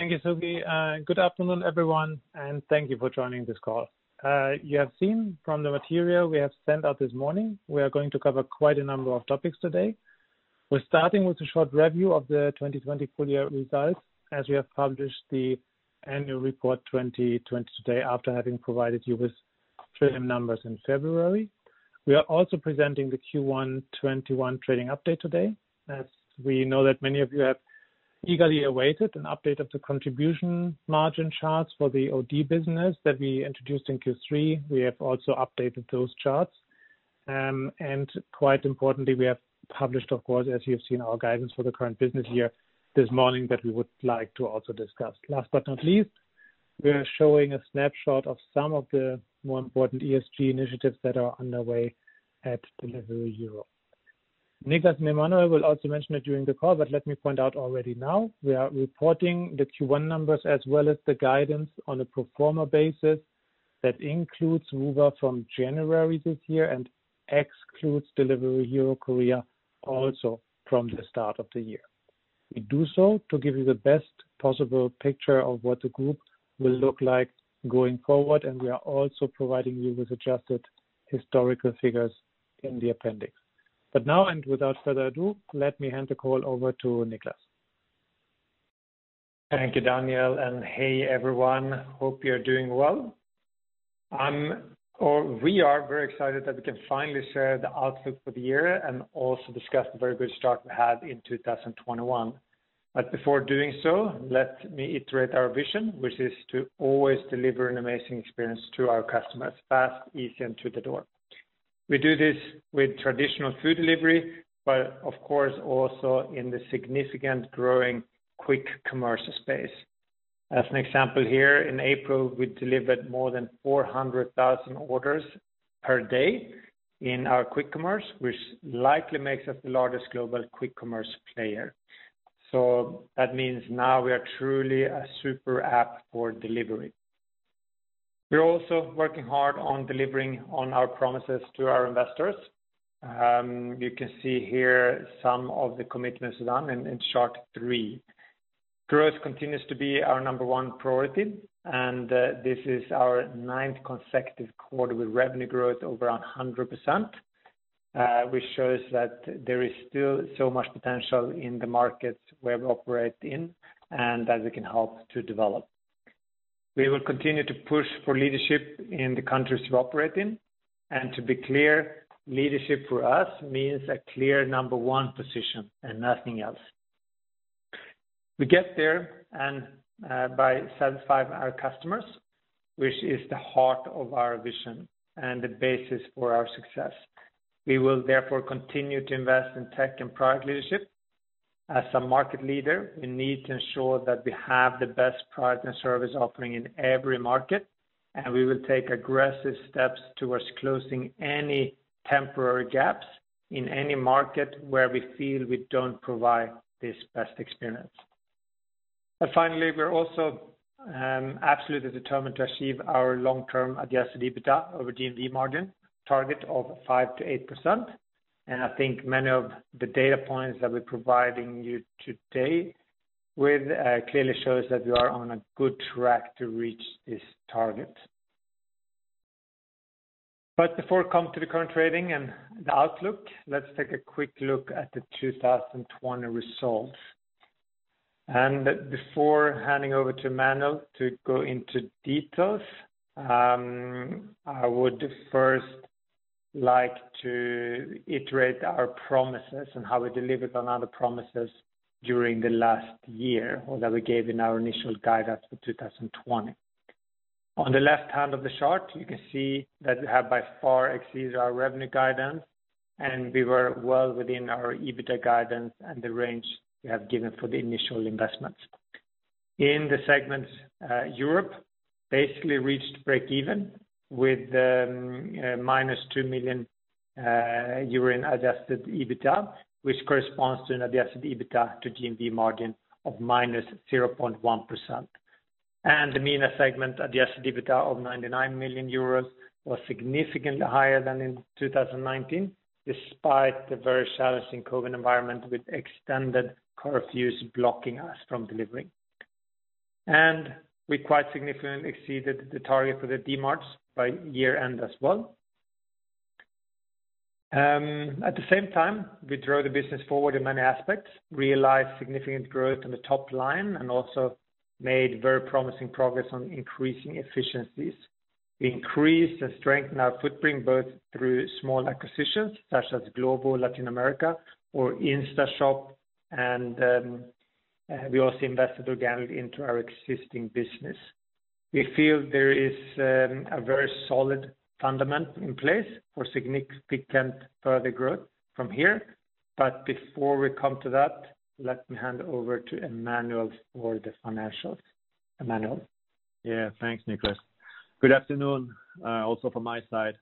Thank you, Suki. Good afternoon, everyone, and thank you for joining this call. You have seen from the material we have sent out this morning, we are going to cover quite a number of topics today. We're starting with a short review of the 2020 full year results, as we have published the annual report 2020 today, after having provided you with trading numbers in February. We are also presenting the Q1 2021 Trading Update today. As we know that many of you have eagerly awaited an update of the contribution margin charts for the OD business that we introduced in Q3, we have also updated those charts. Quite importantly, we have published, of course, as you have seen, our guidance for the current business year this morning that we would like to also discuss. Last but not least, we are showing a snapshot of some of the more important ESG initiatives that are underway at Delivery Hero. Niklas and Emmanuel will also mention it during the call, but let me point out already now, we are reporting the Q1 numbers as well as the guidance on a pro forma basis that includes Woowa from January this year and excludes Delivery Hero Korea also from the start of the year. We do so to give you the best possible picture of what the group will look like going forward, and we are also providing you with adjusted historical figures in the appendix. Now, without further ado, let me hand the call over to Niklas. Thank you, Daniel. Hey, everyone. Hope you're doing well. We are very excited that we can finally share the outlook for the year and also discuss the very good start we had in 2021. Before doing so, let me iterate our vision, which is to always deliver an amazing experience to our customers fast, easy, and through the door. We do this with traditional food delivery, of course also in the significant growing quick commerce space. As an example here, in April, we delivered more than 400,000 orders per day in our quick commerce, which likely makes us the largest global quick commerce player. That means now we are truly a super app for delivery. We're also working hard on delivering on our promises to our investors. You can see here some of the commitments done in chart three. Growth continues to be our number one priority. This is our ninth consecutive quarter with revenue growth over 100%, which shows that there is still so much potential in the markets where we operate in and that we can help to develop. We will continue to push for leadership in the countries we operate in. To be clear, leadership for us means a clear number one position and nothing else. We get there and by satisfying our customers, which is the heart of our vision and the basis for our success. We will therefore continue to invest in tech and product leadership. As a market leader, we need to ensure that we have the best product and service offering in every market, and we will take aggressive steps towards closing any temporary gaps in any market where we feel we don't provide this best experience. Finally, we're also absolutely determined to achieve our long-term adjusted EBITDA over GMV margin target of 5%-8%. I think many of the data points that we're providing you today with clearly shows that we are on a good track to reach this target. Before I come to the current trading and the outlook, let's take a quick look at the 2020 results. Before handing over to Emmanuel to go into details, I would first like to iterate our promises and how we delivered on other promises during the last year, or that we gave in our initial guidance for 2020. On the left hand of the chart, you can see that we have by far exceeded our revenue guidance, and we were well within our EBITDA guidance and the range we have given for the initial investments. In the segments, Europe basically reached break even with -2 million euro adjusted EBITDA, which corresponds to an adjusted EBITDA to GMV margin of -0.1%. The MENA segment adjusted EBITDA of 99 million euros was significantly higher than in 2019, despite the very challenging COVID environment with extended curfews blocking us from delivering. We quite significantly exceeded the target for the Dmarts by year-end as well. At the same time, we drove the business forward in many aspects, realized significant growth on the top line, and also made very promising progress on increasing efficiencies. We increased and strengthened our footprint both through small acquisitions such as Glovo Latin America or InstaShop, and we also invested organically into our existing business. We feel there is a very solid fundament in place for significant further growth from here. Before we come to that, let me hand over to Emmanuel for the financials. Emmanuel? Yeah. Thanks, Niklas. Good afternoon also from my side.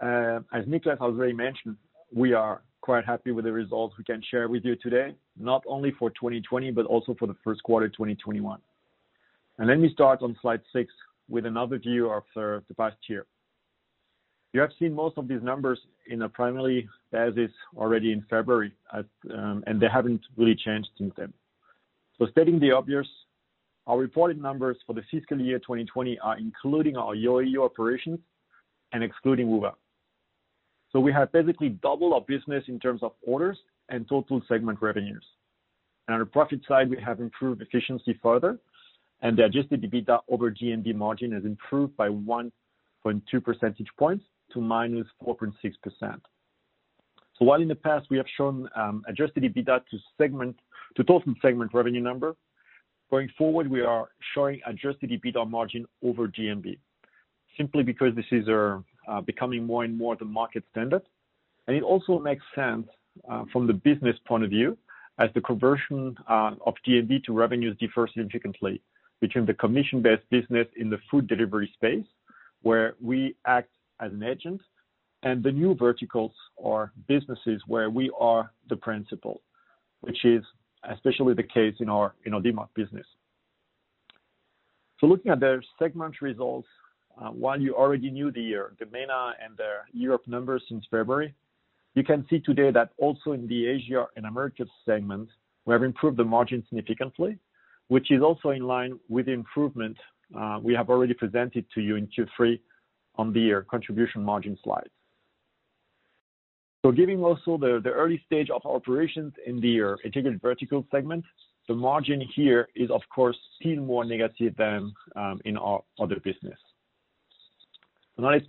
As Niklas has already mentioned, we are quite happy with the results we can share with you today, not only for 2020, but also for the first quarter 2021. Let me start on slide six with another view of the past year. You have seen most of these numbers in a preliminary basis already in February, and they haven't really changed since then. Stating the obvious, our reporting numbers for the fiscal year 2020 are including our Yogiyo operations and excluding Woowa. We have basically doubled our business in terms of orders and total segment revenues. On the profit side, we have improved efficiency further, and the adjusted EBITDA over GMV margin has improved by 1.2 percentage points to -4.6%. While in the past we have shown adjusted EBITDA to total segment revenue number, going forward, we are showing adjusted EBITDA margin over GMV, simply because this is becoming more and more the market standard. It also makes sense from the business point of view as the conversion of GMV to revenues differs significantly between the commission-based business in the food delivery space, where we act as an agent, and the new verticals or businesses where we are the principal, which is especially the case in our Dmart business. Looking at the segment results, while you already knew the MENA and the Europe numbers since February, you can see today that also in the Asia and emerging segments, we have improved the margin significantly, which is also in line with the improvement we have already presented to you in Q3 on the contribution margin slide. Given also the early stage of operations in the integrated vertical segment, the margin here is, of course, still more negative than in our other business. Now let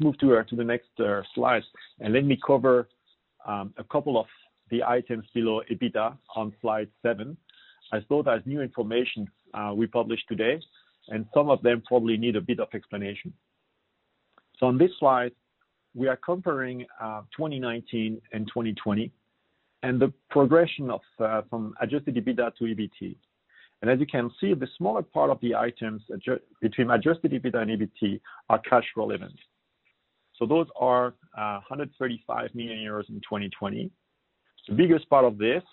me cover a couple of the items below EBITDA on slide seven, as well as new information we published today, and some of them probably need a bit of explanation. On this slide, we are comparing 2019 and 2020 and the progression from adjusted EBITDA to EBT. As you can see, the smaller part of the items between adjusted EBITDA and EBT are cash relevant. Those are 135 million euros in 2020. The biggest part of this,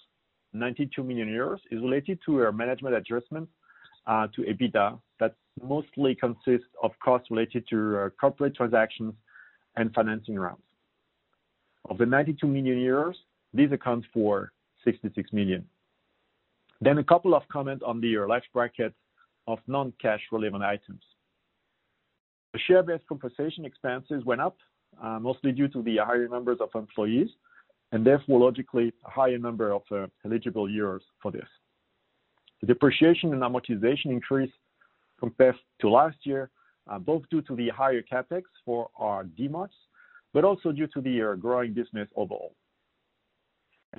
92 million euros, is related to our management adjustment to EBITDA that mostly consists of costs related to corporate transactions and financing rounds. Of the 92 million euros, this accounts for 66 million. A couple of comments on the left bracket of non-cash relevant items. The share-based compensation expenses went up, mostly due to the higher numbers of employees, and therefore, logically, a higher number of eligible years for this. The depreciation and amortization increase compared to last year, both due to the higher CapEx for our Dmarts, but also due to the growing business overall.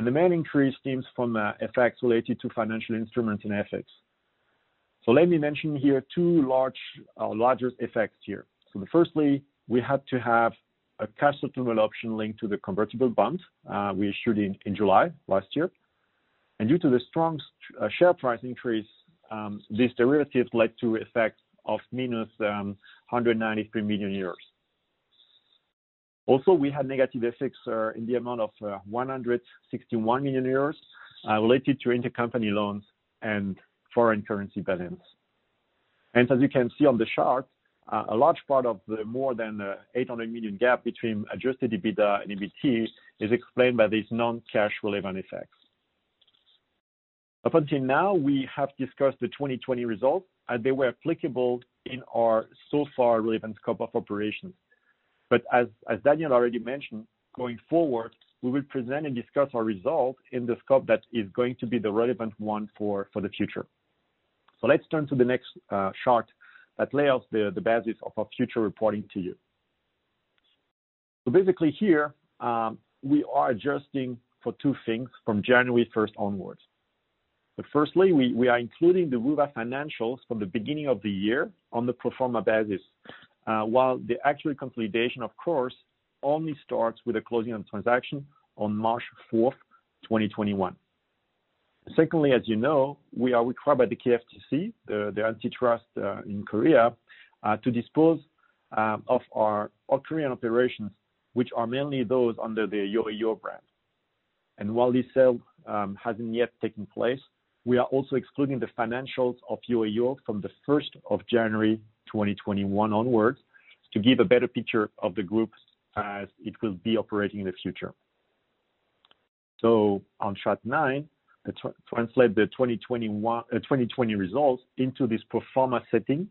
The main increase stems from effects related to financial instruments and FX. Let me mention here two larger effects here. Firstly, we had to have a cash settlement option linked to the convertible bonds we issued in July last year. Due to the strong share price increase, this derivative led to effect of minus 193 million euros. Also, we had negative FX in the amount of 161 million euros related to intercompany loans and foreign currency balance. As you can see on the chart, a large part of the more than 800 million gap between adjusted EBITDA and EBT is explained by these non-cash relevant effects. Up until now, we have discussed the 2020 results, and they were applicable in our so far relevant scope of operations. As Daniel already mentioned, going forward, we will present and discuss our results in the scope that is going to be the relevant one for the future. Let's turn to the next chart that lays out the basis of our future reporting to you. Basically here, we are adjusting for two things from January 1st onwards. Firstly, we are including the Woowa financials from the beginning of the year on the pro forma basis, while the actual consolidation, of course, only starts with the closing of transaction on March 4th, 2021. Secondly, as you know, we are required by the KFTC, the antitrust in Korea, to dispose of our Korean operations, which are mainly those under the Yogiyo brand. While this sale hasn't yet taken place, we are also excluding the financials of Yogiyo from the 1st of January 2021 onwards to give a better picture of the group as it will be operating in the future. On chart nine, let's translate the 2020 results into this pro forma setting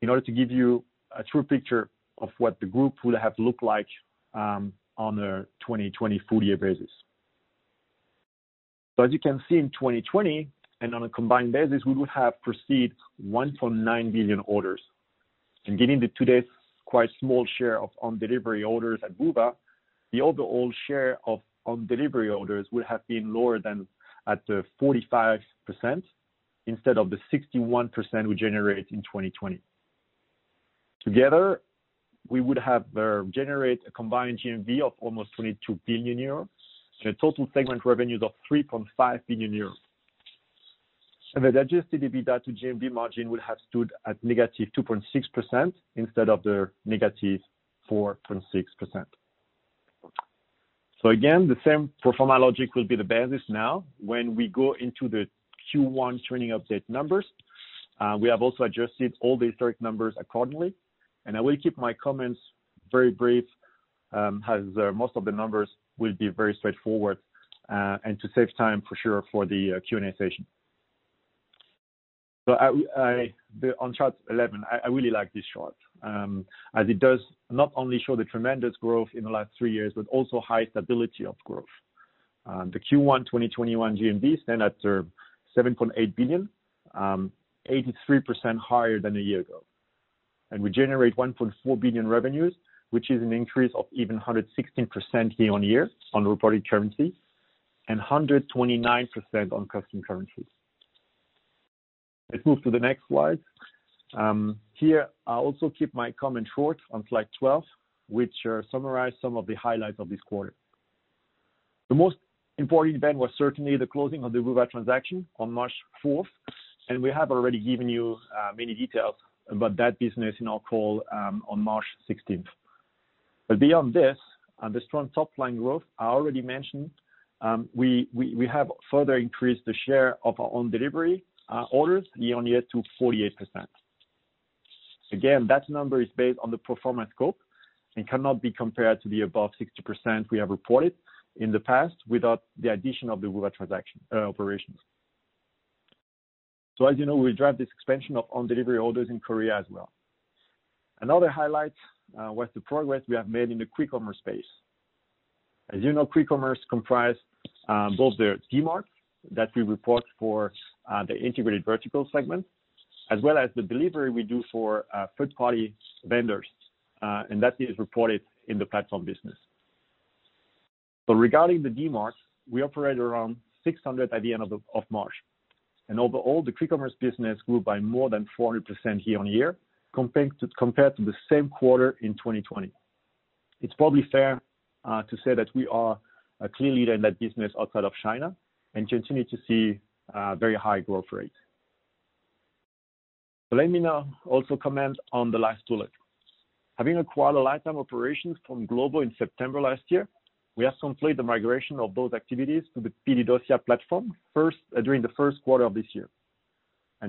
in order to give you a true picture of what the group would have looked like on a 2020 full year basis. As you can see in 2020, and on a combined basis, we would have processed 1.9 billion orders. Given the today's quite small share of own delivery orders at Woowa, the overall share of own delivery orders would have been lower than at the 45%, instead of the 61% we generate in 2020. Together, we would have generate a combined GMV of almost 22 billion euros, and a total segment revenues of 3.5 billion euros. The adjusted EBITDA to GMV margin would have stood at -2.6% instead of the -4.6%. So again, the same pro forma logic will be the basis now when we go into the Q1 trending update numbers. We have also adjusted all the historic numbers accordingly, and I will keep my comments very brief, as most of the numbers will be very straightforward, and to save time for sure for the Q&A session. On chart 11, I really like this chart, as it does not only show the tremendous growth in the last three years, but also high stability of growth. The Q1 2021 GMV stand at 7.8 billion, 83% higher than a year ago. We generate 1.4 billion revenues, which is an increase of even 116% year-on-year on reported currency and 129% on constant currency. Let's move to the next slide. Here, I'll also keep my comments short on slide 12, which summarize some of the highlights of this quarter. The most important event was certainly the closing of the Woowa transaction on March 4th, and we have already given you many details about that business in our call on March 16th. Beyond this, the strong top-line growth I already mentioned, we have further increased the share of our own delivery orders year-on-year to 48%. That number is based on the pro forma scope and cannot be compared to the above 60% we have reported in the past without the addition of the Woowa transaction operations. As you know, we drive this expansion of own delivery orders in Korea as well. Another highlight was the progress we have made in the Quick Commerce space. As you know, Quick Commerce comprise both the Dmarts that we report for the integrated vertical segment, as well as the delivery we do for third-party vendors, and that is reported in the platform business. Regarding the Dmarts, we operate around 600 at the end of March, and overall, the Quick Commerce business grew by more than 400% year-on-year compared to the same quarter in 2020. It's probably fair to say that we are a clear leader in that business outside of China and continue to see very high growth rates. Let me now also comment on the last bullet. Having acquired Latin American operations from Glovo in September last year, we have completed the migration of both activities to the PedidosYa platform during the first quarter of this year.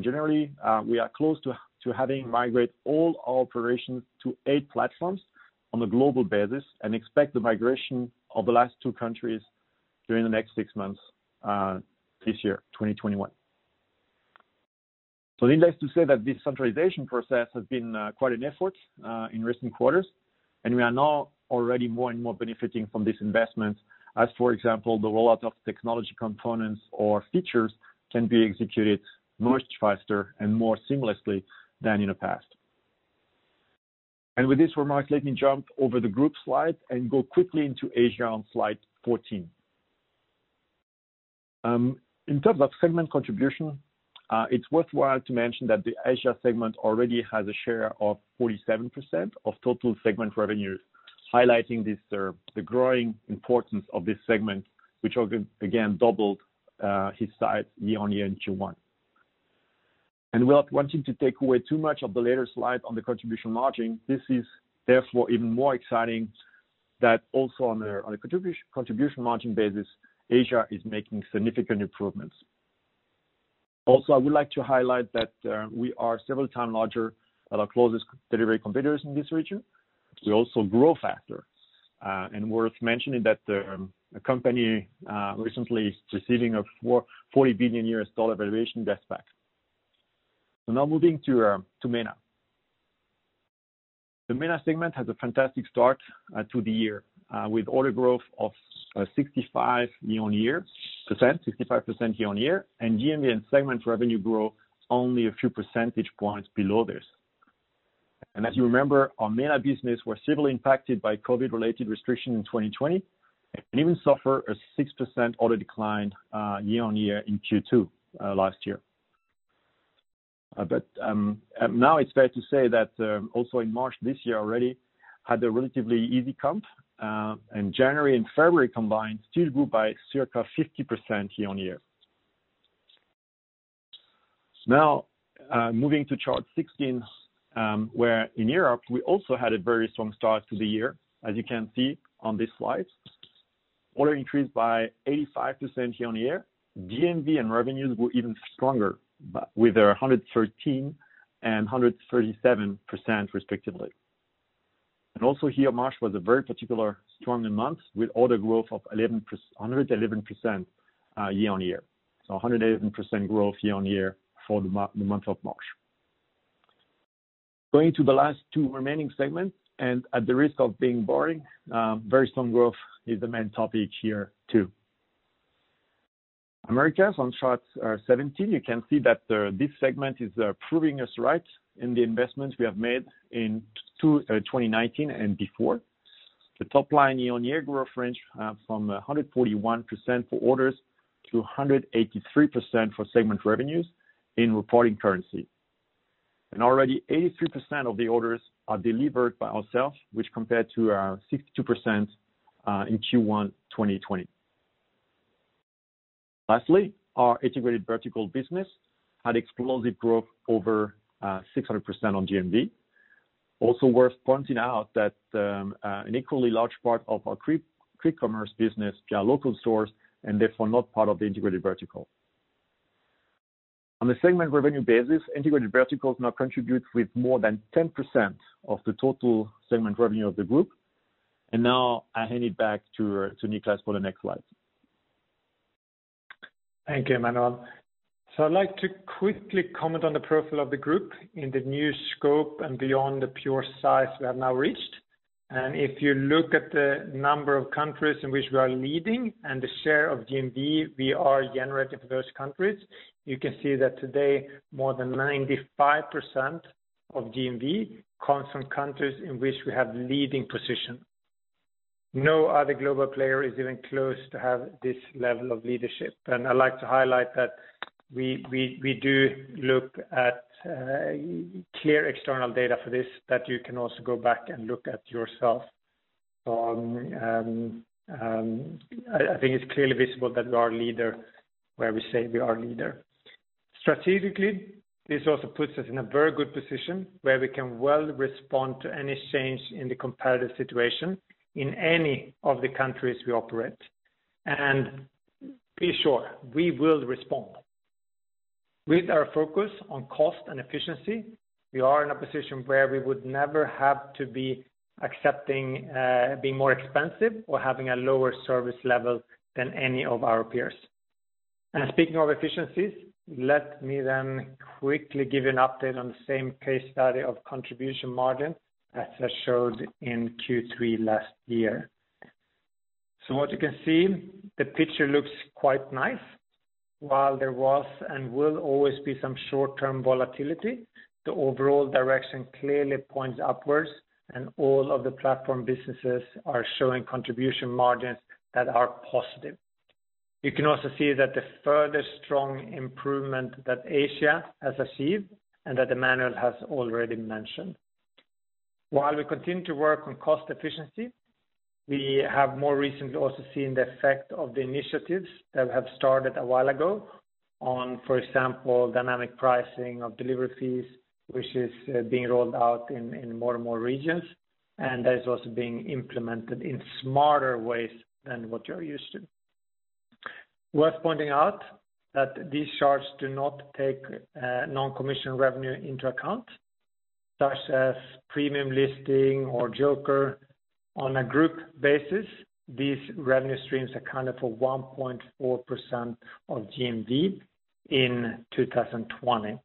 Generally, we are close to having migrate all our operations to eight platforms on a global basis and expect the migration of the last two countries during the next six months this year, 2021. Needless to say that this centralization process has been quite an effort in recent quarters, and we are now already more and more benefiting from this investment. As for example, the rollout of technology components or features can be executed much faster and more seamlessly than in the past. With this remark, let me jump over the group slide and go quickly into Asia on slide 14. In terms of segment contribution, it's worthwhile to mention that the Asia segment already has a share of 47% of total segment revenues, highlighting the growing importance of this segment, which again doubled its size year-on-year in Q1. Without wanting to take away too much of the later slide on the contribution margin, this is therefore even more exciting that also on a contribution margin basis, Asia is making significant improvements. I would like to highlight that we are several times larger than our closest delivery competitors in this region. We also grow faster. Worth mentioning that a company recently receiving a $40 billion valuation does that. Now moving to MENA. The MENA segment has a fantastic start to the year, with order growth of 65% year-on-year, and GMV and segment revenue grow only a few percentage points below this. As you remember, our MENA business was severely impacted by COVID-related restriction in 2020, and even suffered a 6% order decline year-on-year in Q2 last year. Now it's fair to say that also in March this year already had a relatively easy comp, January and February combined still grew by circa 50% year-on-year. Moving to chart 16, where in Europe, we also had a very strong start to the year, as you can see on this slide. Order increased by 85% year-on-year. GMV and revenues were even stronger with 113% and 137% respectively. Also here, March was a very particular stronger month with order growth of 111% year-on-year. 111% growth year-on-year for the month of March. Going to the last two remaining segments, and at the risk of being boring, very strong growth is the main topic here too. Americas on chart 17, you can see that this segment is proving us right in the investments we have made in 2019 and before. The top line year-on-year growth range from 141% for orders to 183% for segment revenues in reported currency. Already 83% of the orders are delivered by ourselves, which compared to our 62% in Q1 2020. Lastly, our integrated vertical business had explosive growth over 600% on GMV. Worth pointing out that an equally large part of our quick commerce business via local Stores and therefore not part of the integrated vertical. On the segment revenue basis, integrated verticals now contribute with more than 10% of the total segment revenue of the group. Now I hand it back to Niklas for the next slide. Thank you, Emmanuel. I'd like to quickly comment on the profile of the group in the new scope and beyond the pure size we have now reached. If you look at the number of countries in which we are leading and the share of GMV we are generating for those countries, you can see that today more than 95% of GMV comes from countries in which we have leading position. No other global player is even close to have this level of leadership. I'd like to highlight that we do look at clear external data for this, that you can also go back and look at yourself. I think it's clearly visible that we are a leader where we say we are a leader. Strategically, this also puts us in a very good position where we can well respond to any change in the competitive situation in any of the countries we operate. Be sure we will respond. With our focus on cost and efficiency, we are in a position where we would never have to be accepting being more expensive or having a lower service level than any of our peers. Speaking of efficiencies, let me then quickly give you an update on the same case study of contribution margin as I showed in Q3 last year. What you can see, the picture looks quite nice. While there was and will always be some short-term volatility, the overall direction clearly points upwards, and all of the platform businesses are showing contribution margins that are positive. You can also see that the further strong improvement that Asia has achieved and that Emmanuel has already mentioned. While we continue to work on cost efficiency, we have more recently also seen the effect of the initiatives that have started a while ago on, for example, dynamic pricing of delivery fees, which is being rolled out in more and more regions, and that is also being implemented in smarter ways than what you're used to. Worth pointing out that these charts do not take non-commission revenue into account, such as premium listing or Joker. On a group basis, these revenue streams accounted for 1.4% of GMV in 2020,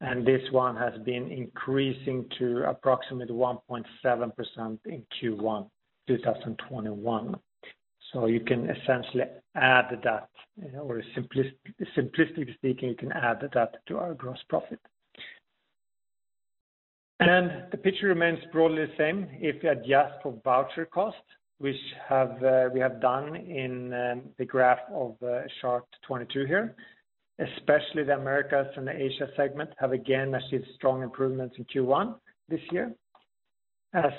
and this one has been increasing to approximately 1.7% in Q1 2021. You can essentially add that, or simplistically speaking, you can add that to our gross profit. The picture remains broadly the same if you adjust for voucher costs, which we have done in the graph of chart 22 here. Especially the Americas and the Asia segment have again achieved strong improvements in Q1 this year.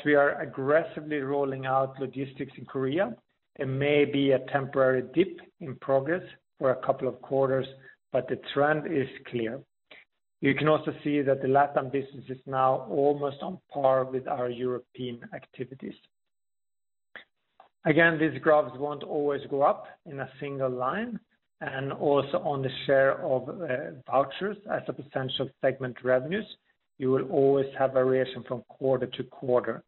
We are aggressively rolling out logistics in Korea, there may be a temporary dip in progress for a couple of quarters, but the trend is clear. You can also see that the LatAm business is now almost on par with our European activities. These graphs won't always go up in a single line, and also on the share of vouchers as a potential segment revenues, you will always have variation from quarter to quarter.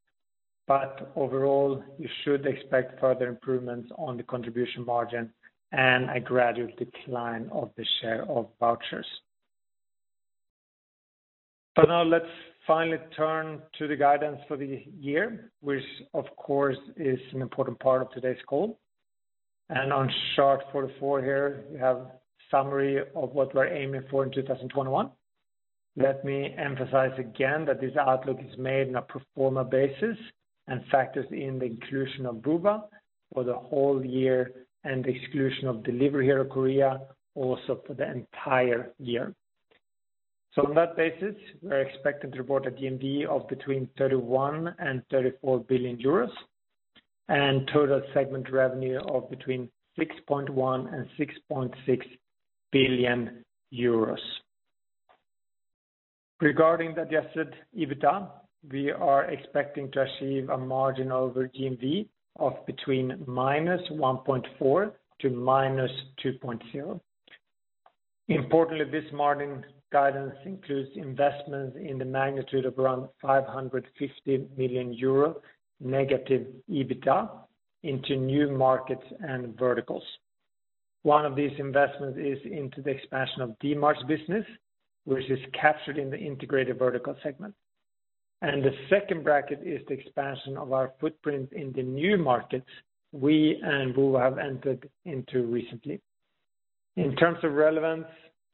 Overall, you should expect further improvements on the contribution margin and a gradual decline of the share of vouchers. Now let's finally turn to the guidance for the year, which of course is an important part of today's call. On chart 44 here, we have a summary of what we're aiming for in 2021. Let me emphasize again that this outlook is made on a pro forma basis and factors in the inclusion of Woowa for the whole year and the exclusion of Delivery Hero Korea also for the entire year. On that basis, we're expected to report a GMV of between 31 billion and 34 billion euros, and total segment revenue of between 6.1 billion and 6.6 billion euros. Regarding the adjusted EBITDA, we are expecting to achieve a margin over GMV of between -1.4% to -2.0%. Importantly, this margin guidance includes investments in the magnitude of around 550 million euro negative EBITDA into new markets and verticals. One of these investments is into the expansion of Dmarts business, which is captured in the integrated vertical segment. The second bracket is the expansion of our footprint in the new markets we and Woowa have entered into recently. In terms of relevance,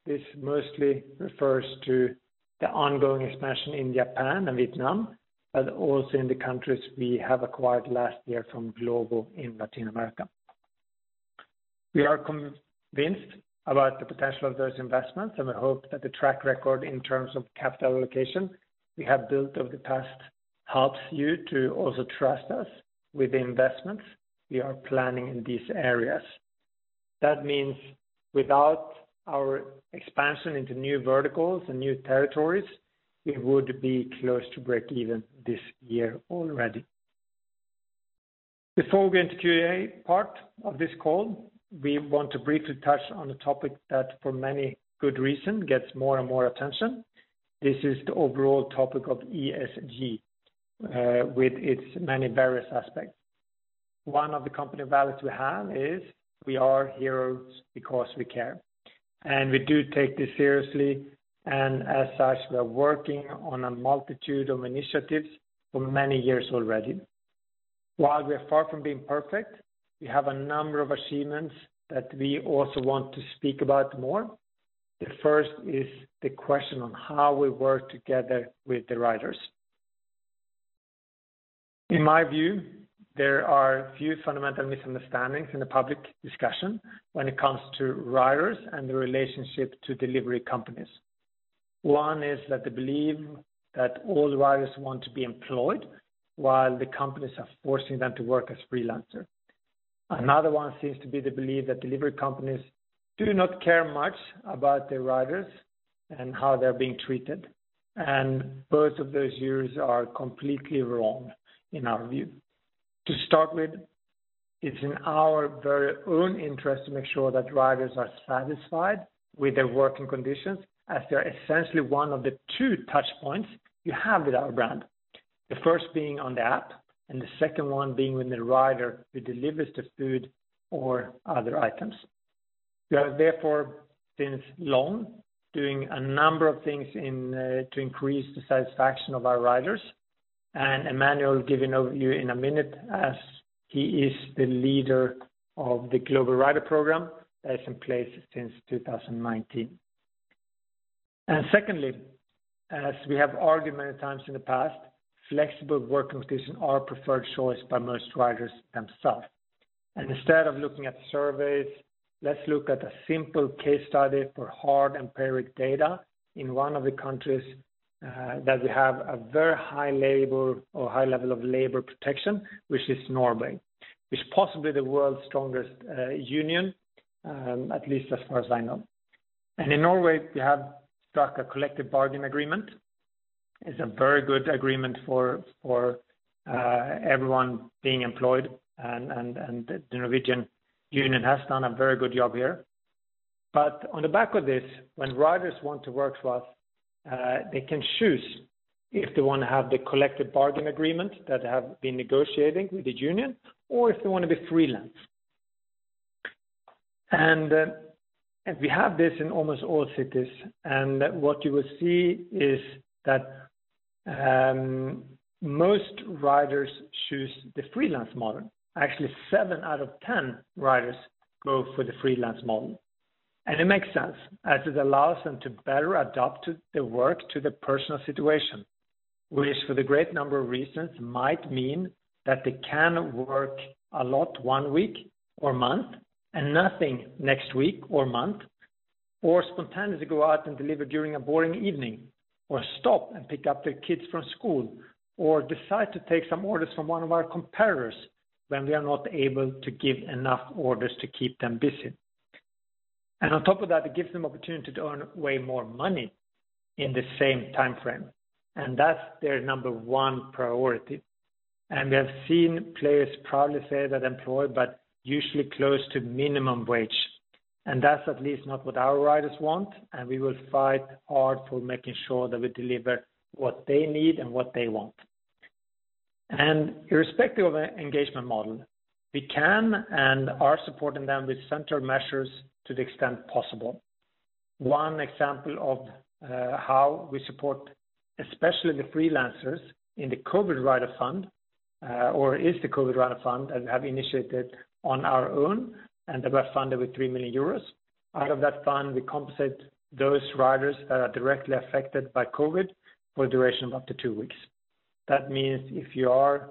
this mostly refers to the ongoing expansion in Japan and Vietnam, but also in the countries we have acquired last year from Glovo in Latin America. We are convinced about the potential of those investments, and we hope that the track record in terms of capital allocation we have built over the past helps you to also trust us with the investments we are planning in these areas. That means without our expansion into new verticals and new territories, we would be close to breakeven this year already. Before we go into Q&A part of this call, we want to briefly touch on the topic that for many good reason, gets more and more attention. This is the overall topic of ESG, with its many various aspects. One of the company values we have is, we are heroes because we care, and we do take this seriously. As such, we are working on a multitude of initiatives for many years already. While we are far from being perfect, we have a number of achievements that we also want to speak about more. The first is the question on how we work together with the riders. In my view, there are a few fundamental misunderstandings in the public discussion when it comes to riders and the relationship to delivery companies. One is that the belief that all riders want to be employed while the companies are forcing them to work as freelancers. Another one seems to be the belief that delivery companies do not care much about their riders and how they're being treated. Both of those views are completely wrong in our view. To start with, it's in our very own interest to make sure that riders are satisfied with their working conditions as they're essentially one of the two touch points we have with our brand. The first being on the app, and the second one being with the rider who delivers the food or other items. We are therefore, since long, doing a number of things to increase the satisfaction of our riders. Emmanuel will give an overview in a minute as he is the leader of the Global Rider Program that's in place since 2019. Secondly, as we have argued many times in the past, flexible working conditions are preferred choice by most riders themselves. Instead of looking at surveys, let's look at a simple case study for hard, empirical data in one of the countries that we have a very high level of labor protection, which is Norway, which possibly the world's strongest union, at least as far as I know. In Norway, we have struck a collective bargain agreement. It's a very good agreement for everyone being employed. The Norwegian Union has done a very good job here. On the back of this, when riders want to work for us, they can choose if they want to have the collective bargain agreement that they have been negotiating with the union or if they want to be freelance. We have this in almost all cities. What you will see is that most riders choose the freelance model. Actually, seven out of 10 riders go for the freelance model. It makes sense as it allows them to better adapt their work to their personal situation. For the great number of reasons, might mean that they can work a lot one week or month and nothing next week or month, or spontaneously go out and deliver during a boring evening, or stop and pick up their kids from school, or decide to take some orders from one of our competitors when we are not able to give enough orders to keep them busy. On top of that, it gives them opportunity to earn way more money in the same time frame, and that's their number one priority. We have seen players proudly say they're employed, but usually close to minimum wage. That's at least not what our riders want, and we will fight hard for making sure that we deliver what they need and what they want. Irrespective of engagement model, we can and are supporting them with central measures to the extent possible. One example of how we support, especially the freelancers, is the COVID Rider Fund that we have initiated on our own and that we have funded with 3 million euros. Out of that fund, we compensate those riders that are directly affected by COVID for a duration of up to two weeks. That means if you are,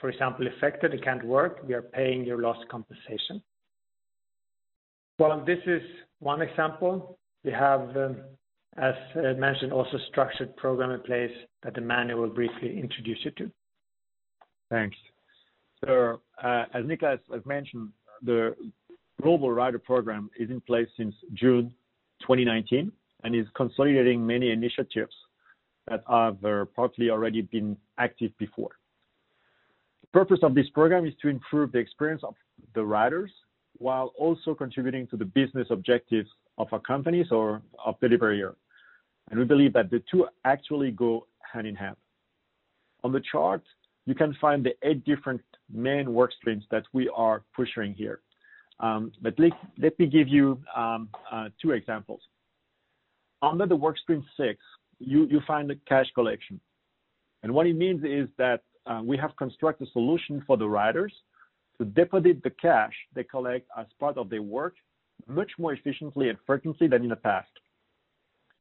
for example, affected and can't work, we are paying your lost compensation. While this is one example, we have, as mentioned, also structured program in place that Emmanuel will briefly introduce you to. Thanks. As Niklas has mentioned, the Global Rider Program is in place since June 2019 and is consolidating many initiatives that have partly already been active before. The purpose of this program is to improve the experience of the riders while also contributing to the business objectives of our companies or of Delivery Hero. We believe that the two actually go hand in hand. On the chart, you can find the eight different main work streams that we are pushing here. Let me give you two examples. Under the work stream six, you find the cash collection. What it means is that we have constructed solution for the riders to deposit the cash they collect as part of their work much more efficiently and frequently than in the past.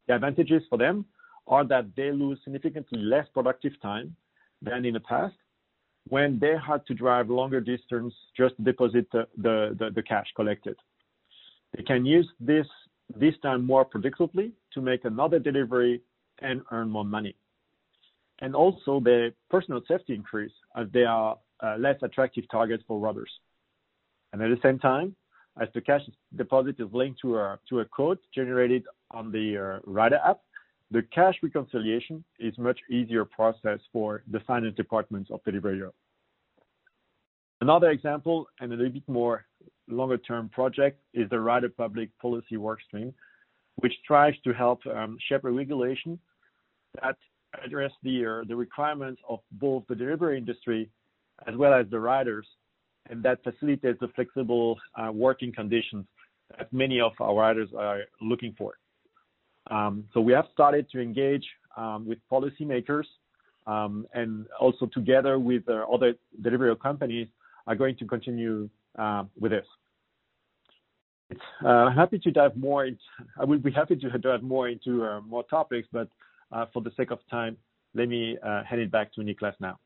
The advantages for them are that they lose significantly less productive time than in the past when they had to drive longer distance just to deposit the cash collected. They can use this time more predictably to make another delivery and earn more money. Also their personal safety increase as they are less attractive targets for robbers. At the same time, as the cash deposit is linked to a code generated on the rider app, the cash reconciliation is much easier process for the finance departments of Delivery Hero. Another example, and a little bit more longer-term project, is the Rider Public Policy workstream, which tries to help shape a regulation that address the requirements of both the delivery industry as well as the riders, and that facilitates the flexible working conditions that many of our riders are looking for. We have started to engage with policymakers, and also together with other Delivery Hero companies, are going to continue with this. I would be happy to dive more into more topics, but for the sake of time, let me hand it back to Niklas now.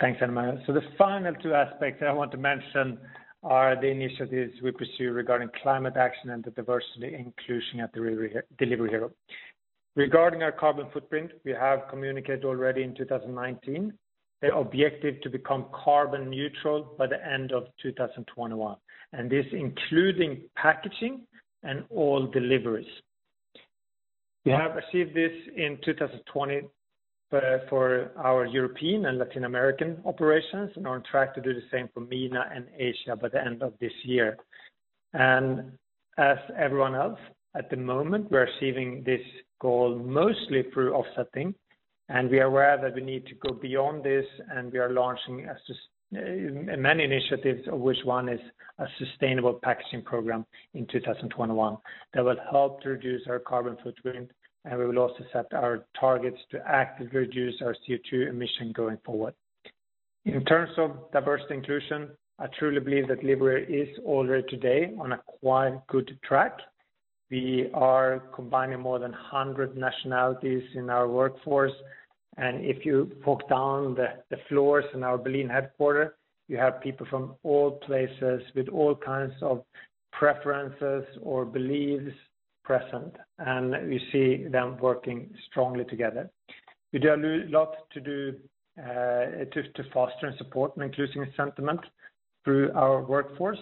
Thanks, Emmanuel. The final two aspects that I want to mention are the initiatives we pursue regarding climate action and the diversity inclusion at Delivery Hero. Regarding our carbon footprint, we have communicated already in 2019, the objective to become carbon neutral by the end of 2021, and this including packaging and all deliveries. We have achieved this in 2020 for our European and Latin American operations, and are on track to do the same for MENA and Asia by the end of this year. As everyone else, at the moment, we're achieving this goal mostly through offsetting, and we are aware that we need to go beyond this, and we are launching many initiatives, of which one is a sustainable packaging program in 2021 that will help to reduce our carbon footprint, and we will also set our targets to actively reduce our CO2 emission going forward. In terms of diversity inclusion, I truly believe that Delivery Hero is already today on a quite good track. We are combining more than 100 nationalities in our workforce, and if you walk down the floors in our Berlin headquarter, you have people from all places with all kinds of preferences or beliefs present, and we see them working strongly together. We do a lot to foster and support an inclusive sentiment through our workforce.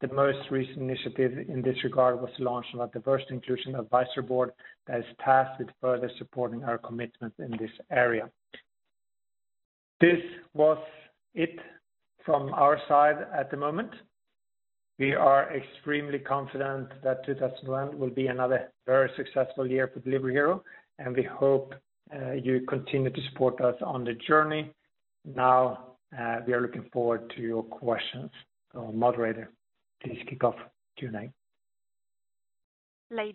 The most recent initiative in this regard was launched on a diversity inclusion advisory board that is tasked with further supporting our commitment in this area. This was it from our side at the moment. We are extremely confident that 2021 will be another very successful year for Delivery Hero, and we hope you continue to support us on the journey. Now, we are looking forward to your questions. Moderator, please kick off Q&A.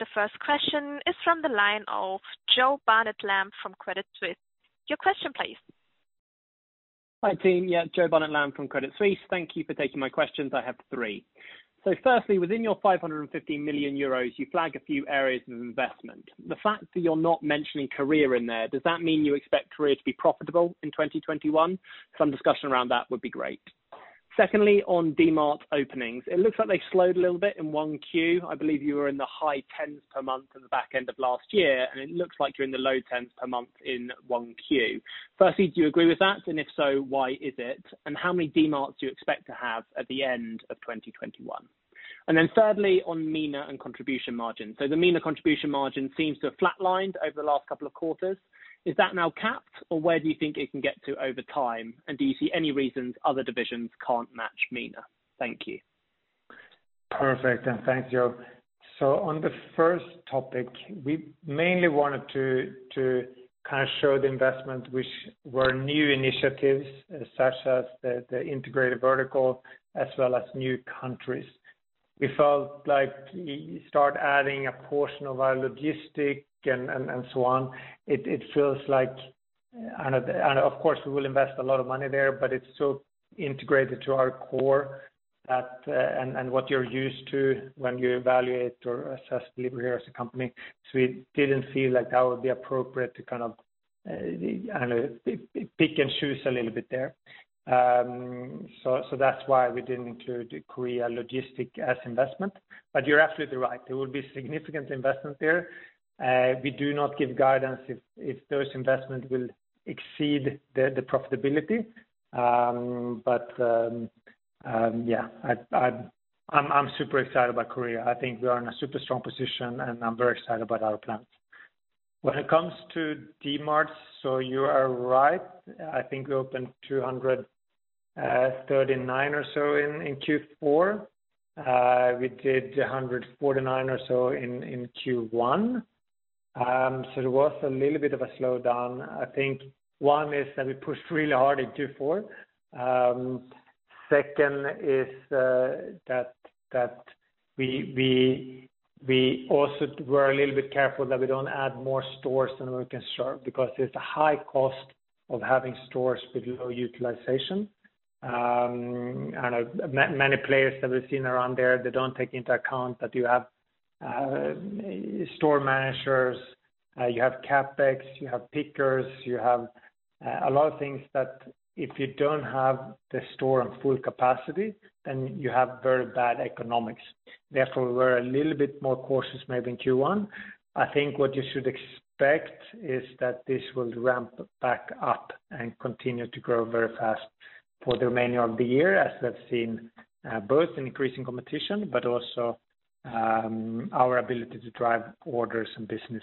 The first question is from the line of Joe Barnet-Lamb from Credit Suisse. Your question please. Hi, team. Joe Barnet-Lamb from Credit Suisse. Thank you for taking my questions. I have three. Firstly, within your 550 million euros, you flag a few areas of investment. The fact that you're not mentioning Korea in there, does that mean you expect Korea to be profitable in 2021? Some discussion around that would be great. Secondly, on Dmart openings, it looks like they slowed a little bit in 1Q. I believe you were in the high tens per month at the back end of last year, and it looks like you're in the low tens per month in 1Q. Firstly, do you agree with that, and if so, why is it? How many Dmarts do you expect to have at the end of 2021? Thirdly, on MENA and contribution margin. The MENA contribution margin seems to have flatlined over the last couple of quarters. Is that now capped, or where do you think it can get to over time? Do you see any reasons other divisions can't match MENA? Thank you. Thanks, Joe. On the first topic, we mainly wanted to kind of show the investment which were new initiatives such as the integrated vertical as well as new countries. We felt like you start adding a portion of our logistics and so on. Of course, we will invest a lot of money there, but it's so integrated to our core and what you're used to when you evaluate or assess Delivery Hero as a company. We didn't feel like that would be appropriate to kind of pick and choose a little bit there. That's why we didn't include Korea logistics as investment. You're absolutely right. There will be significant investments there. We do not give guidance if those investments will exceed the profitability. Yeah, I'm super excited about Korea. I think we are in a super strong position, and I'm very excited about our plans. When it comes to Dmarts, you are right. I think we opened 239 or so in Q4. We did 149 or so in Q1. There was a little bit of a slowdown. I think one is that we pushed really hard in Q4. Second is that we also were a little bit careful that we don't add more stores than we can serve, because there's a high cost of having stores with low utilization. I know many players that we've seen around there, they don't take into account that you have store managers, you have CapEx, you have pickers, you have a lot of things that if you don't have the store on full capacity, then you have very bad economics. We're a little bit more cautious maybe in Q1. I think what you should expect is that this will ramp back up and continue to grow very fast for the remaining of the year, as we have seen both an increase in competition, but also our ability to drive orders and business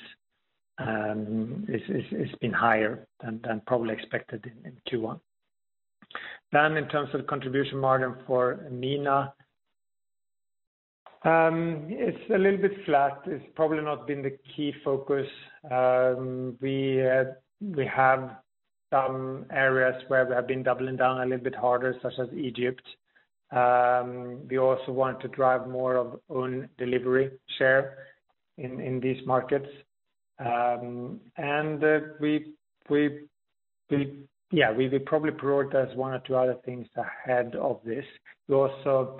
has been higher than probably expected in Q1. In terms of contribution margin for MENA, it's a little bit flat. It's probably not been the key focus. We have some areas where we have been doubling down a little bit harder, such as Egypt. We also want to drive more of own delivery share in these markets. We will probably prioritize one or two other things ahead of this. We also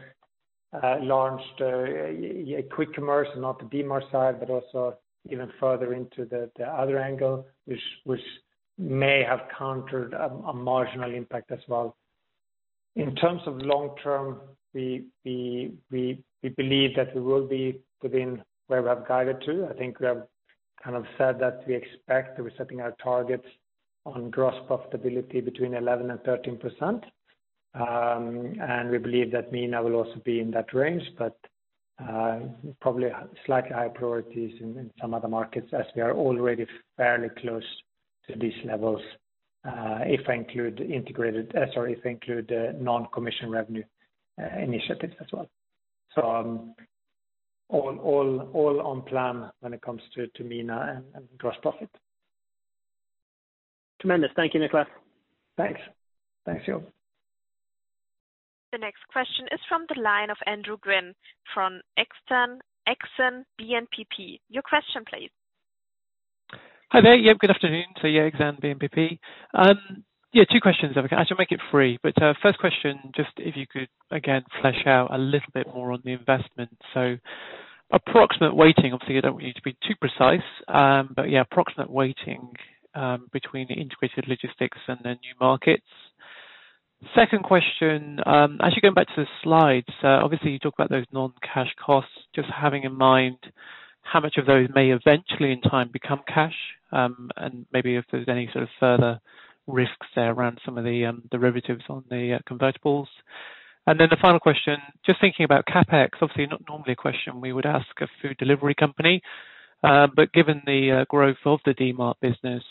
launched a quick commerce, not the Dmart side, but also even further into the other angle, which may have countered a marginal impact as well. In terms of long term, we believe that we will be within where we have guided to. I think we have said that we expect that we're setting our targets on gross profitability between 11% and 13%. We believe that MENA will also be in that range, but probably slightly higher priorities in some other markets as we are already fairly close to these levels, if I include non-commission revenue initiatives as well. All on plan when it comes to MENA and gross profit. Tremendous. Thank you, Niklas. Thanks. Thanks, you. The next question is from the line of Andrew Gwynn from Exane BNP Paribas. Your question, please. Hi there. Good afternoon. Exane BNP Paribas. Two questions. I should make it three. First question, just if you could, again, flesh out a little bit more on the investment. Approximate weighting, obviously, I don't want you to be too precise, but approximate weighting between the integrated logistics and the new markets. Second question, actually going back to the slides, obviously you talk about those non-cash costs, just having in mind how much of those may eventually in time become cash, and maybe if there's any sort of further risks there around some of the derivatives on the convertibles. The final question, just thinking about CapEx, obviously not normally a question we would ask a food delivery company, but given the growth of the Dmart business,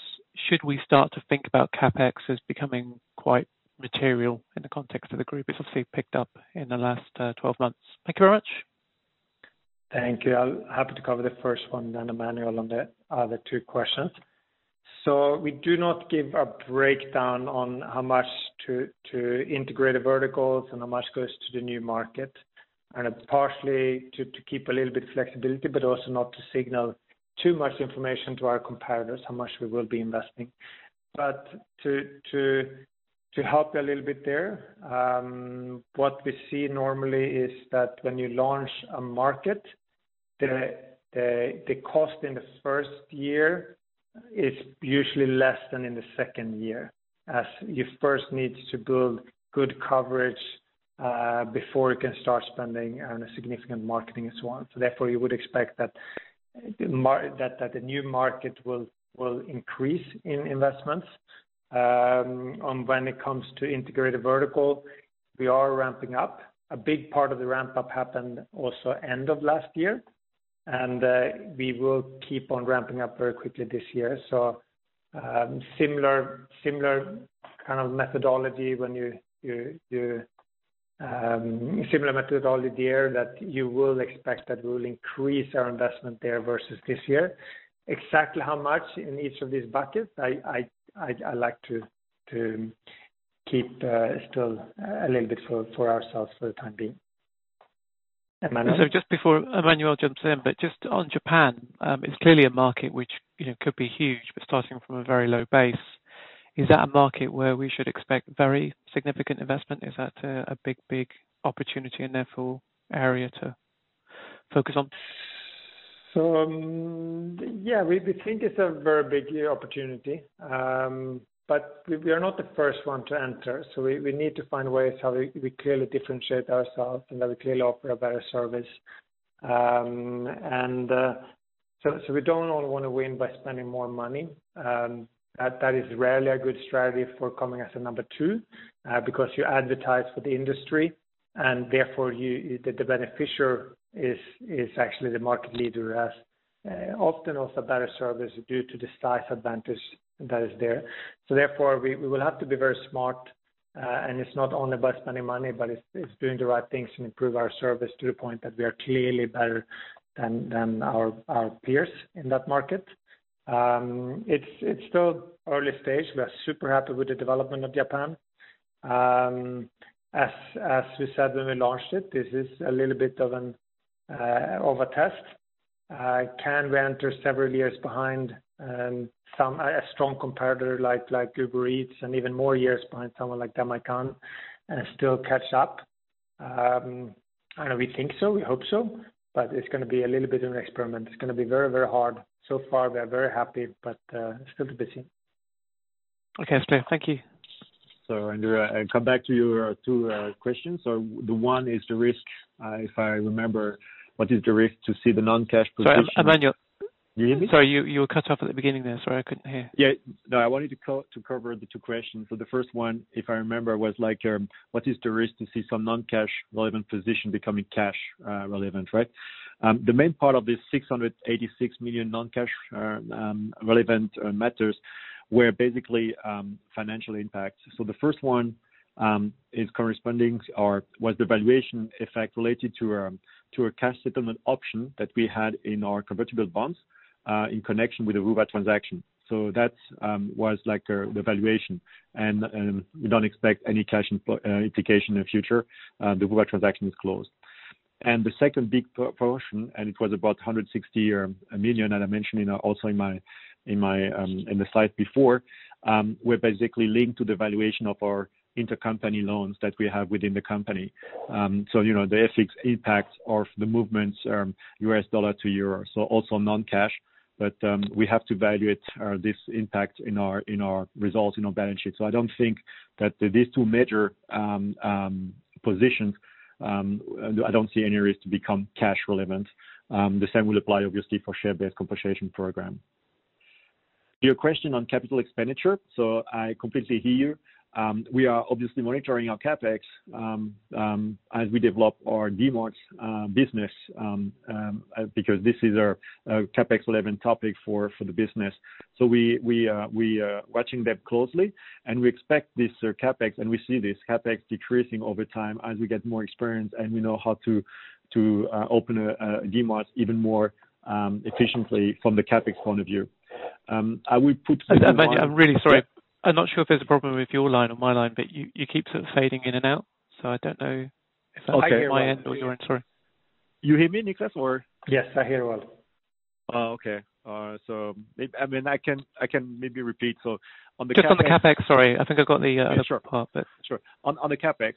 should we start to think about CapEx as becoming quite material in the context of the group? It's obviously picked up in the last 12 months. Thank you very much. Thank you. I'm happy to cover the first one, then Emmanuel on the other two questions. We do not give a breakdown on how much to integrated verticals and how much goes to the new market. It's partially to keep a little bit of flexibility, but also not to signal too much information to our competitors, how much we will be investing. To help you a little bit there, what we see normally is that when you launch a market, the cost in the first year is usually less than in the second year, as you first need to build good coverage before you can start spending on a significant marketing and so on. Therefore, you would expect that the new market will increase in investments. When it comes to integrated vertical, we are ramping up. A big part of the ramp-up happened also end of last year. We will keep on ramping up very quickly this year. Similar methodology there that you will expect that we will increase our investment there versus this year. Exactly how much in each of these buckets, I like to keep still a little bit for ourselves for the time being. Emmanuel? Just before Emmanuel jumps in, but just on Japan, it's clearly a market which could be huge, but starting from a very low base. Is that a market where we should expect very significant investment? Is that a big opportunity and therefore area to focus on? Yeah, we think it's a very big opportunity, but we are not the first one to enter, we need to find ways how we clearly differentiate ourselves and that we clearly offer a better service. We don't want to win by spending more money. That is rarely a good strategy for coming as a number two, because you advertise for the industry and therefore the beneficiary is actually the market leader as often also better service due to the size advantage that is there. Therefore we will have to be very smart. And it's not only about spending money, but it's doing the right things and improve our service to the point that we are clearly better than our peers in that market. It's still early stage. We are super happy with the development of Japan. As we said when we launched it, this is a little bit of a test. Can we enter several years behind a strong competitor like Uber Eats and even more years behind someone like Demae-can and still catch up? I know we think so. We hope so, but it's going to be a little bit of an experiment. It's going to be very hard. So far, we are very happy, but still busy. Okay. Thank you. Andrew, I come back to your two questions. The one is the risk, if I remember, what is the risk to see the non-cash position. Sorry, Emmanuel. You hear me? Sorry, you were cut off at the beginning there. Sorry, I couldn't hear. Yeah. No, I wanted to cover the two questions. The first one, if I remember, was what is the risk to see some non-cash relevant position becoming cash relevant, right? The main part of this 686 million non-cash relevant matters were basically financial impacts. The first one is corresponding, or was the valuation effect related to a cash settlement option that we had in our convertible bonds, in connection with the Uber transaction. That was like a valuation. We don't expect any cash implication in future. The Uber transaction is closed. The second big portion, and it was about 160 million, and I mentioned also in the slide before, were basically linked to the valuation of our intercompany loans that we have within the company. The FX impacts or the movements U.S. dollar to euro. Also non-cash. We have to evaluate this impact in our results, in our balance sheet. I don't think that these two major positions, I don't see any risk to become cash relevant. The same will apply obviously for share-based compensation program. Your question on capital expenditure. I completely hear you. We are obviously monitoring our CapEx, as we develop our Dmart business, because this is our CapEx relevant topic for the business. We are watching that closely, and we expect this CapEx, and we see this CapEx decreasing over time as we get more experience and we know how to open a Dmart even more efficiently from the CapEx point of view. Emmanuel, I'm really sorry. I'm not sure if there's a problem with your line or my line, but you keep sort of fading in and out. I don't know if it's my end or your end. Sorry. You hear me, Niklas, or? Yes, I hear well. Okay. I can maybe repeat. On the CapEx. Just on the CapEx. Sorry. I think I've got the other part. Sure. On the CapEx,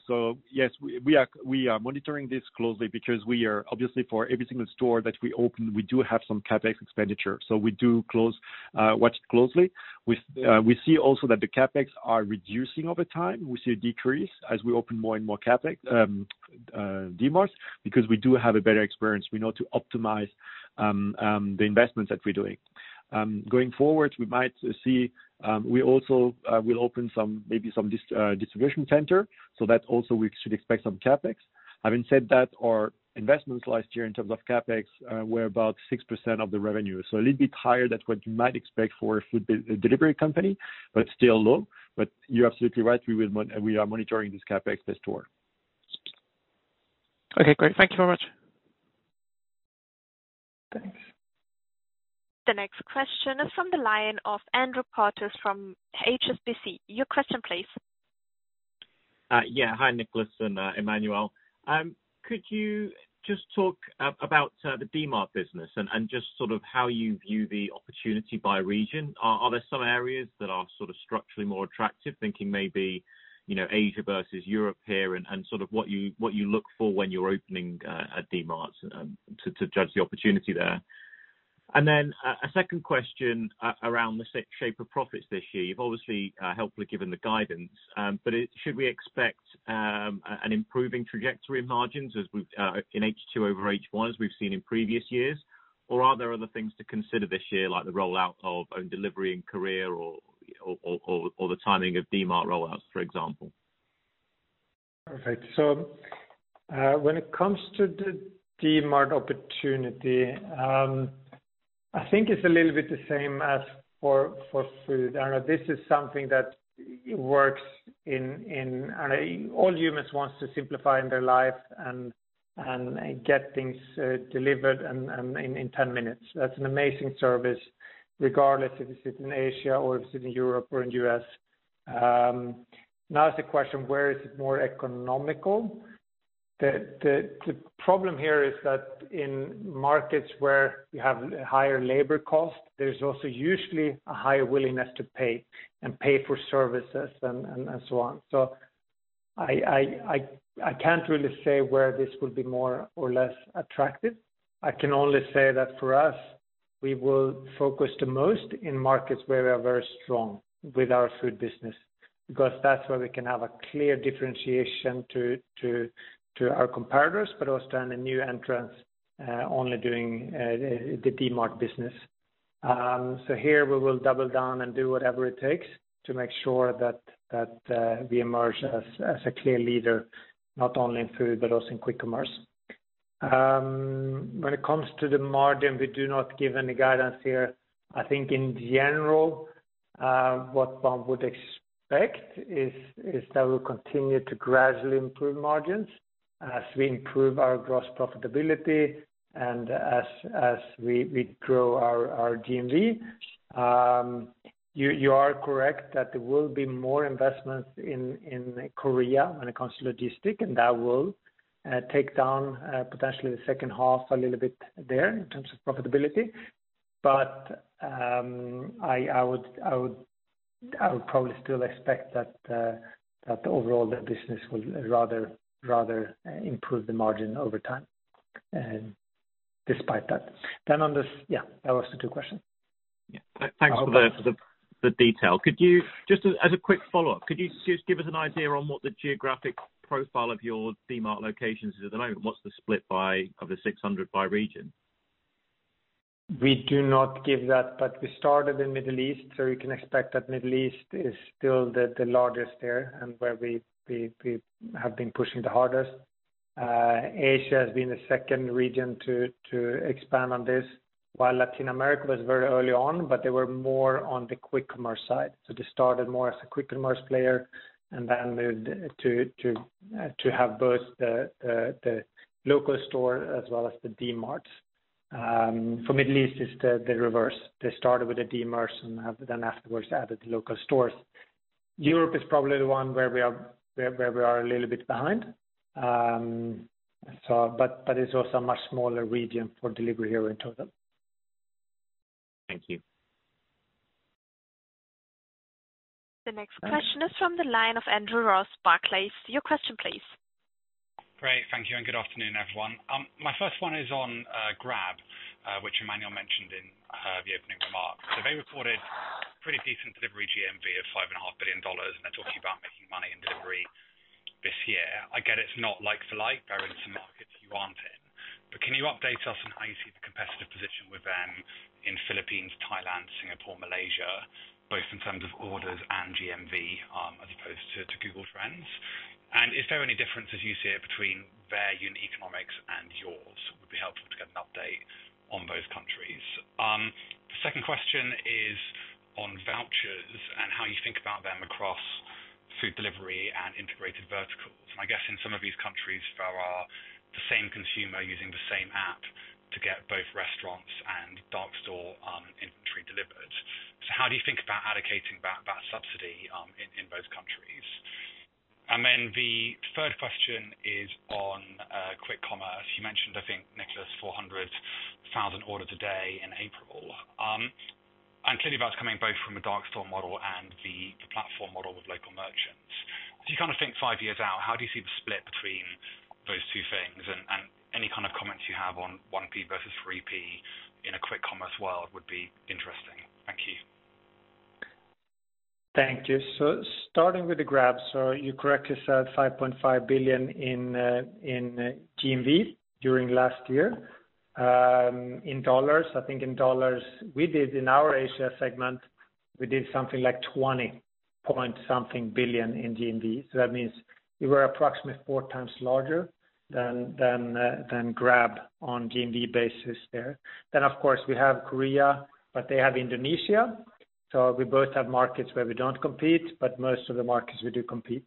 yes, we are monitoring this closely because we are obviously for every single store that we open, we do have some CapEx expenditure. We do watch it closely. We see also that the CapEx are reducing over time. We see a decrease as we open more and more Dmarts because we do have a better experience. We know to optimize the investments that we're doing. Going forward, we also will open maybe some distribution center, that also we should expect some CapEx. Having said that, our investments last year in terms of CapEx were about 6% of the revenue. A little bit higher than what you might expect for a food delivery company, but still low. You're absolutely right. We are monitoring this CapEx posture. Okay, great. Thank you very much. Thanks. The next question is from the line of Andrew Porteous from HSBC. Your question, please. Yeah. Hi, Niklas and Emmanuel. Could you just talk about the Dmart business and just sort of how you view the opportunity by region? Are there some areas that are sort of structurally more attractive, thinking maybe Asia versus Europe here, and sort of what you look for when you're opening a Dmart, to judge the opportunity there? A second question around the shape of profits this year. You've obviously helpfully given the guidance. Should we expect an improving trajectory of margins in H2 over H1 as we've seen in previous years? Are there other things to consider this year, like the rollout of own delivery and Korea or the timing of Dmart rollouts, for example? Perfect. When it comes to the Dmart opportunity, I think it's a little bit the same as for food. This is something that works. All humans wants to simplify in their life and get things delivered in 10 minutes. That's an amazing service, regardless if it's in Asia or if it's in Europe or in U.S. Now is the question, where is it more economical? The problem here is that in markets where you have higher labor cost, there's also usually a higher willingness to pay and pay for services and so on. I can't really say where this will be more or less attractive. I can only say that for us, we will focus the most in markets where we are very strong with our food business, because that's where we can have a clear differentiation to our competitors, but also any new entrants only doing the Dmart business. Here we will double down and do whatever it takes to make sure that we emerge as a clear leader, not only in food but also in quick commerce. When it comes to the margin, we do not give any guidance here. I think in general, what one would expect is that we'll continue to gradually improve margins as we improve our gross profitability and as we grow our GMV. You are correct that there will be more investments in Korea when it comes to logistics, and that will take down potentially the second half a little bit there in terms of profitability. I would probably still expect that overall the business will rather improve the margin over time despite that. That was the two questions. Yeah. Thanks for the detail. Just as a quick follow-up, could you just give us an idea on what the geographic profile of your Dmart locations is at the moment? What's the split of the 600 by region? We do not give that. We started in Middle East, so you can expect that Middle East is still the largest there and where we have been pushing the hardest. Asia has been the second region to expand on this, while Latin America was very early on, but they were more on the quick commerce side. They started more as a quick commerce player and then moved to have both the local store as well as the Dmarts. For Middle East it's the reverse. They started with the Dmart and then afterwards added the local stores. Europe is probably the one where we are a little bit behind. It's also a much smaller region for Delivery Hero in total. Thank you. The next question is from the line of Andrew Ross, Barclays. Your question please. Great. Thank you and good afternoon, everyone. My first one is on Grab, which Emmanuel mentioned in the opening remarks. They reported pretty decent delivery GMV of $5.5 billion, and they're talking about making money in delivery this year. I get it's not like-for-like, they're into markets you aren't in. Can you update us on how you see the competitive position with them in Philippines, Thailand, Singapore, Malaysia, both in terms of orders and GMV as opposed to Google Trends? Is there any difference as you see it between their unit economics and yours? Would be helpful to get an update on both countries. The second question is on vouchers and how you think about them across food delivery and integrated verticals. I guess in some of these countries there are the same consumer using the same app to get both restaurants and dark store inventory delivered. How do you think about allocating that subsidy in both countries? The third question is on quick commerce. You mentioned, I think, Niklas, 400,000 orders a day in April. Clearly that's coming both from a dark store model and the platform model with local merchants. If you think five years out, how do you see the split between those two things? Any kind of comments you have on 1P versus 3P in a quick commerce world would be interesting. Thank you. Thank you. Starting with the Grab. You correctly said $5.5 billion in GMV during last year. In dollars, I think in dollars, we did in our Asia segment, we did something like $20 point something billion in GMV. That means we were approximately four times larger than Grab on GMV basis there. Of course we have Korea, but they have Indonesia. We both have markets where we don't compete, but most of the markets we do compete.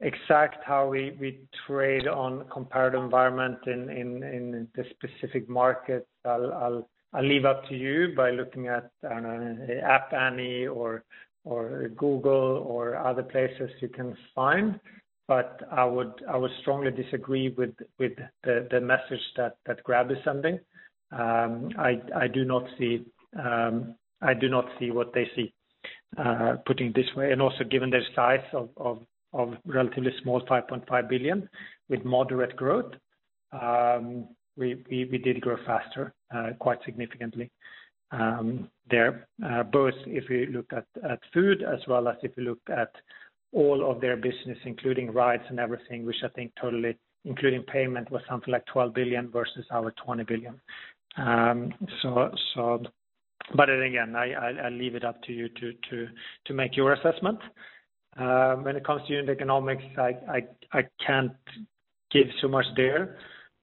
Exact how we trade on comparative environment in the specific markets, I'll leave up to you by looking at, I don't know, App Annie or Google or other places you can find, but I would strongly disagree with the message that Grab is sending. I do not see what they see, put it this way. Also given their size of relatively small $5.5 billion with moderate growth. We did grow faster, quite significantly. Both if you look at food as well as if you look at all of their business, including rides and everything, which I think totally including payment, was something like 12 billion versus our 20 billion. Again, I'll leave it up to you to make your assessment. When it comes to unit economics, I can't give so much there.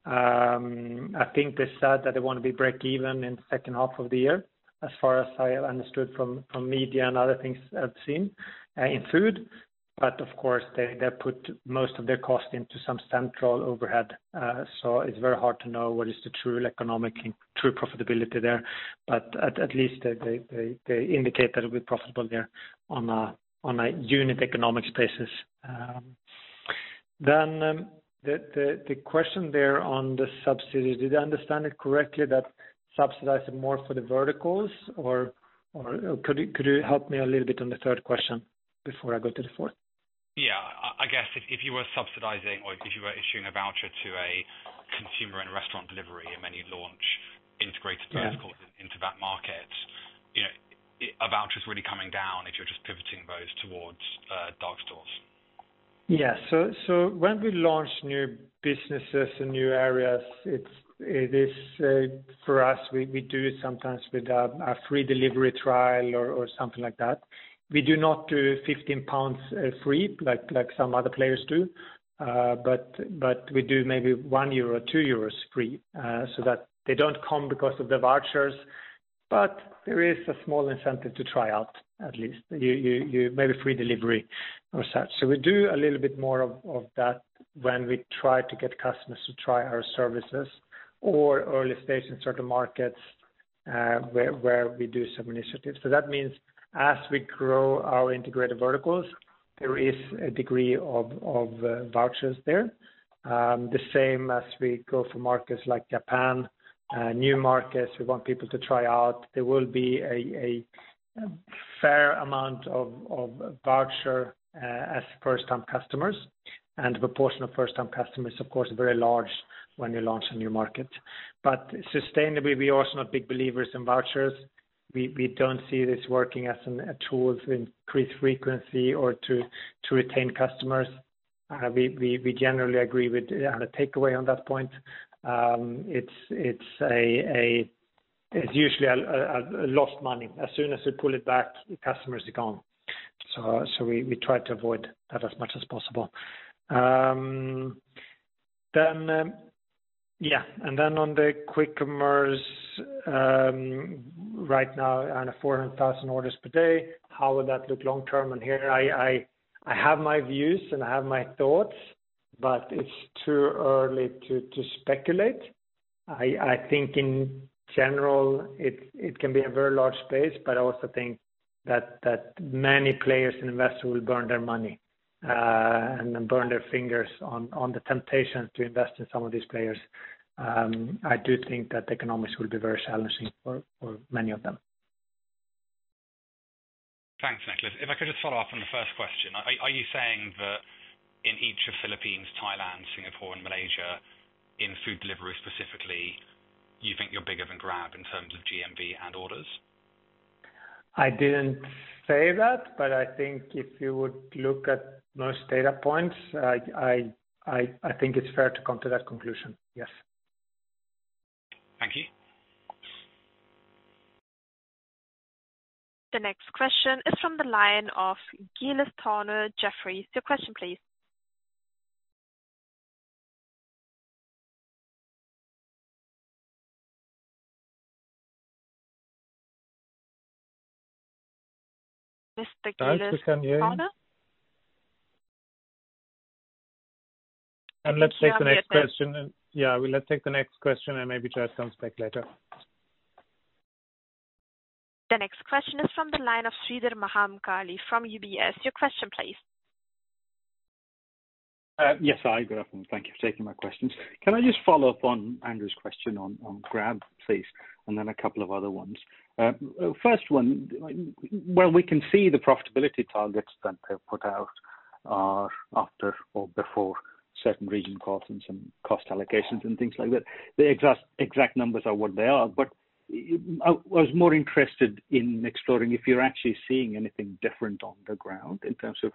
I think they said that they want to be break even in the second half of the year, as far as I understood from media and other things I've seen in food. Of course they put most of their cost into some central overhead. It's very hard to know what is the true economic and true profitability there. At least they indicate that it'll be profitable there on a unit economic basis. The question there on the subsidies. Did I understand it correctly that subsidizing more for the Verticals? Could you help me a little bit on the third question before I go to the fourth? Yeah. I guess if you were subsidizing or if you were issuing a voucher to a consumer and restaurant delivery and then you launch integrated verticals into that market, are vouchers really coming down if you're just pivoting those towards dark stores? Yeah. When we launch new businesses in new areas, for us, we do it sometimes with a free delivery trial or something like that. We do not do 15 pounds free like some other players do. We do maybe 1 euro or 2 euros free, so that they don't come because of the vouchers. There is a small incentive to try out, at least. Maybe free delivery or such. We do a little bit more of that when we try to get customers to try our services or early stage in certain markets, where we do some initiatives. That means as we grow our integrated verticals, there is a degree of vouchers there. The same as we go for markets like Japan, new markets we want people to try out. There will be a fair amount of voucher as first-time customers, and the proportion of first-time customers, of course, are very large when you launch a new market. Sustainably, we are also not big believers in vouchers. We don't see this working as a tool to increase frequency or to retain customers. We generally agree with the takeaway on that point. It's usually a lost money. As soon as we pull it back, the customers are gone. We try to avoid that as much as possible. On the quick commerce right now on a 400,000 orders per day, how would that look long term? Here I have my views and I have my thoughts, but it's too early to speculate. I think in general, it can be a very large space, but I also think that many players and investors will burn their money, and then burn their fingers on the temptation to invest in some of these players. I do think that the economics will be very challenging for many of them. Thanks, Niklas. If I could just follow up on the first question. Are you saying that in each of Philippines, Thailand, Singapore, and Malaysia, in food delivery specifically, you think you're bigger than Grab in terms of GMV and orders? I didn't say that. I think if you would look at most data points, I think it's fair to come to that conclusion. Yes. Thank you. The next question is from the line of Giles Thorne, Jefferies. Your question, please. Mr. Giles Thorne? Let's take the next question and maybe Giles comes back later. The next question is from the line of Sreedhar Mahamkali from UBS. Your question, please. Yes. Hi, good afternoon. Thank you for taking my questions. Can I just follow up on Andrew's question on Grab, please, and then a couple of other ones? First one, while we can see the profitability targets that they've put out are after or before certain region costs and some cost allocations and things like that, the exact numbers are what they are. I was more interested in exploring if you're actually seeing anything different on the ground in terms of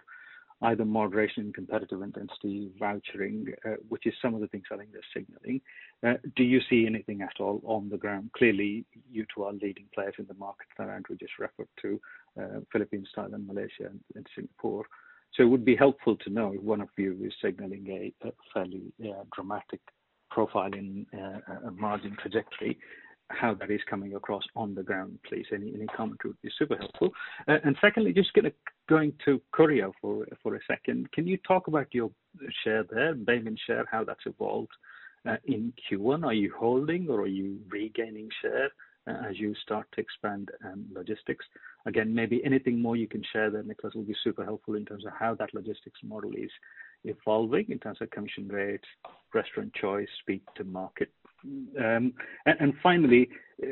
either moderation, competitive intensity, vouchering, which is some of the things I think they're signaling. Do you see anything at all on the ground? Clearly, you two are leading players in the markets that Andrew just referred to, Philippines, Thailand, Malaysia, and Singapore. It would be helpful to know if one of you is signaling a fairly dramatic profile in a margin trajectory, how that is coming across on the ground, please. Any comment would be super helpful. Secondly, just going to Korea for a second. Can you talk about your share there, Baemin share, how that's evolved in Q1? Are you holding or are you regaining share as you start to expand logistics? Again, maybe anything more you can share there, Niklas, will be super helpful in terms of how that logistics model is evolving in terms of commission rates, restaurant choice, speed to market. Finally,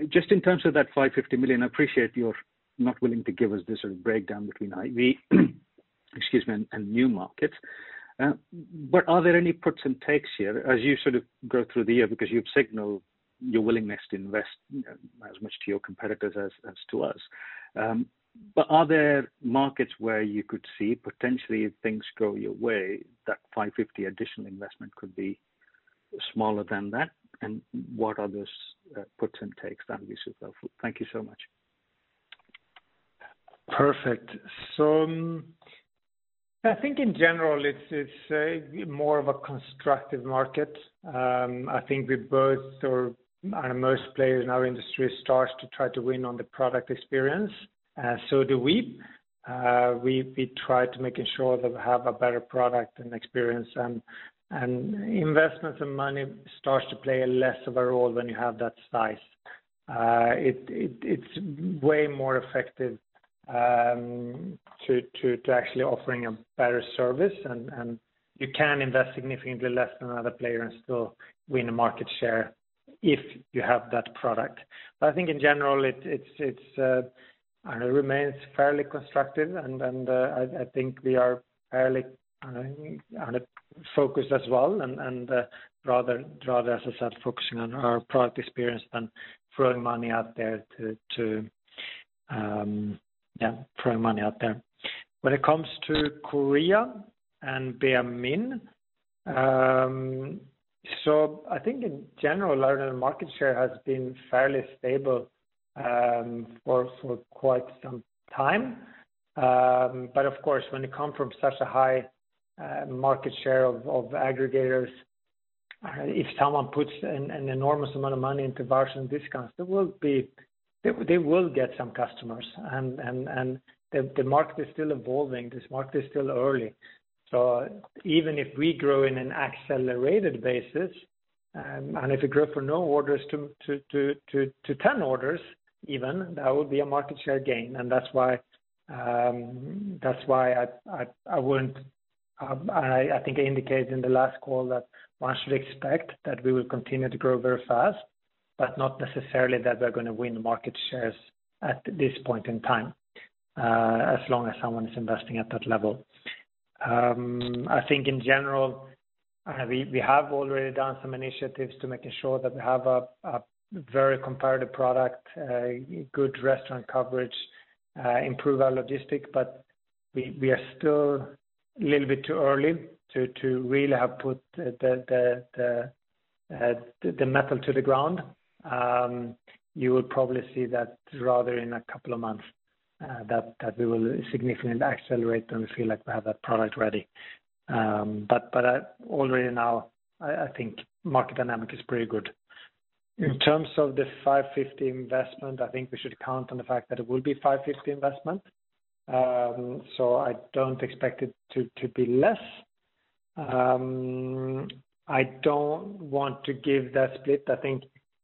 just in terms of that 550 million, I appreciate you're not willing to give us the sort of breakdown between IV, excuse me, and new markets. Are there any puts and takes here as you sort of go through the year? You've signaled your willingness to invest as much to your competitors as to us. Are there markets where you could see potentially if things go your way, that 550 million additional investment could be smaller than that? What are those puts and takes then? That'd be super helpful. Thank you so much. Perfect. I think in general, it's more of a constructive market. I think we both or most players in our industry starts to try to win on the product experience. Do we. We try to make sure that we have a better product and experience, and investments and money starts to play a less of a role when you have that size. It's way more effective to actually offering a better service, and you can invest significantly less than other players and still win a market share if you have that product. I think in general, it remains fairly constructive, and I think we are fairly focused as well, and rather, as I said, focusing on our product experience than throwing money out there. Yeah, throwing money out there. When it comes to Korea and Baemin, I think in general, our market share has been fairly stable for quite some time. Of course, when you come from such a high market share of aggregators, if someone puts an enormous amount of money into pricing discounts, they will get some customers. The market is still evolving. This market is still early. Even if we grow in an accelerated basis, and if we grow from no orders to 10 orders even, that would be a market share gain. That's why I think I indicated in the last call that one should expect that we will continue to grow very fast, but not necessarily that we're going to win market shares at this point in time, as long as someone is investing at that level. I think in general, we have already done some initiatives to making sure that we have a very competitive product, good restaurant coverage, improve our logistics, but we are still a little bit too early to really have put the metal to the ground. You will probably see that rather in a couple of months, that we will significantly accelerate when we feel like we have that product ready. Already now, I think market dynamic is pretty good. In terms of the 550 million investment, I think we should count on the fact that it will be 550 million investment. I don't expect it to be less. I don't want to give that split. I think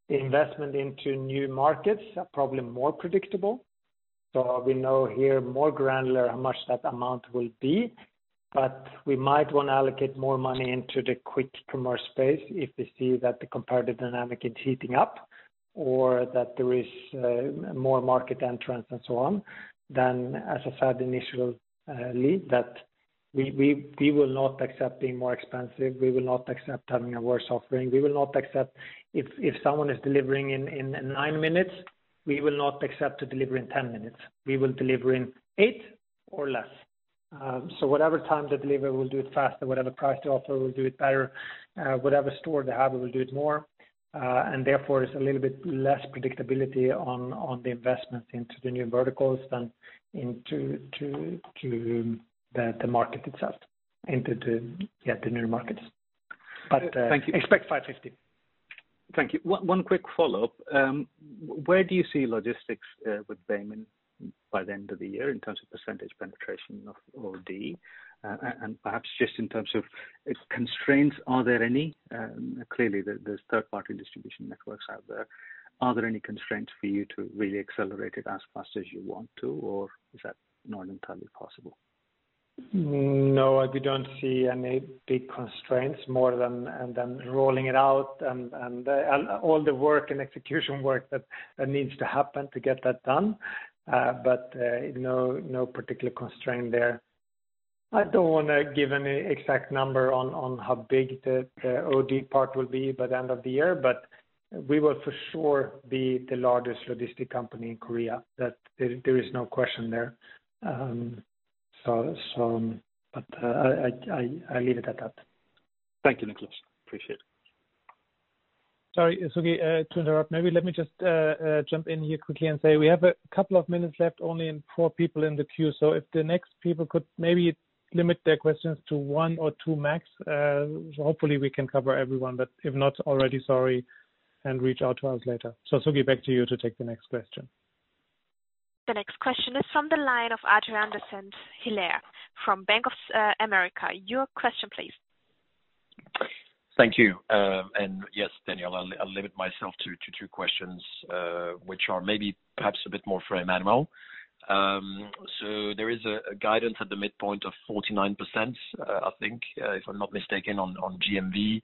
the investment into new markets are probably more predictable. We know here more granular how much that amount will be. We might want to allocate more money into the quick commerce space if we see that the comparative dynamic is heating up, or that there is more market entrants and so on. As I said, initial lead that we will not accept being more expensive. We will not accept having a worse offering. We will not accept if someone is delivering in nine minutes, we will not accept to deliver in 10 minutes. We will deliver in eight or less. Whatever time the delivery will do it faster, whatever price to offer will do it better, whatever store they have will do it more. Therefore, it's a little bit less predictability on the investment into the new verticals than into the market itself, into the near markets. Expect 550 million. Thank you. One quick follow-up. Where do you see logistics with Baemin by the end of the year in terms of percentage penetration of OD? Perhaps just in terms of constraints, are there any? Clearly, there's third-party distribution networks out there. Are there any constraints for you to really accelerate it as fast as you want to, or is that not entirely possible? No, we don't see any big constraints more than rolling it out and all the work and execution work that needs to happen to get that done. No particular constraint there. I don't want to give any exact number on how big the OD part will be by the end of the year, but we will for sure be the largest logistic company in Korea. There is no question there. I leave it at that. Thank you, Niklas. Appreciate it. Sorry, Suki, to interrupt. Maybe let me just jump in here quickly and say we have a couple of minutes left only and four people in the queue. If the next people could maybe limit their questions to one or two max, hopefully we can cover everyone. If not already, sorry, and reach out to us later. Suki, back to you to take the next question. The next question is from the line of Adrien de Saint Hilaire from Bank of America. Your question, please. Thank you. Yes, Daniel, I'll limit myself to two questions, which are maybe perhaps a bit more for Emmanuel. There is a guidance at the midpoint of 49%, I think, if I'm not mistaken, on GMV.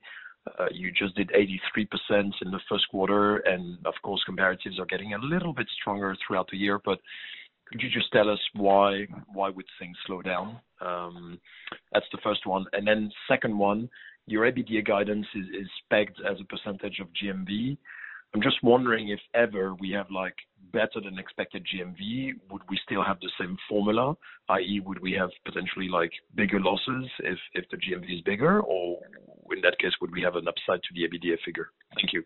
You just did 83% in the first quarter, and of course, comparatives are getting a little bit stronger throughout the year. Could you just tell us why would things slow down? That's the first one. Second one, your EBITDA guidance is pegged as a percentage of GMV. I'm just wondering if ever we have better than expected GMV, would we still have the same formula, i.e., would we have potentially bigger losses if the GMV is bigger? In that case, would we have an upside to the EBITDA figure? Thank you.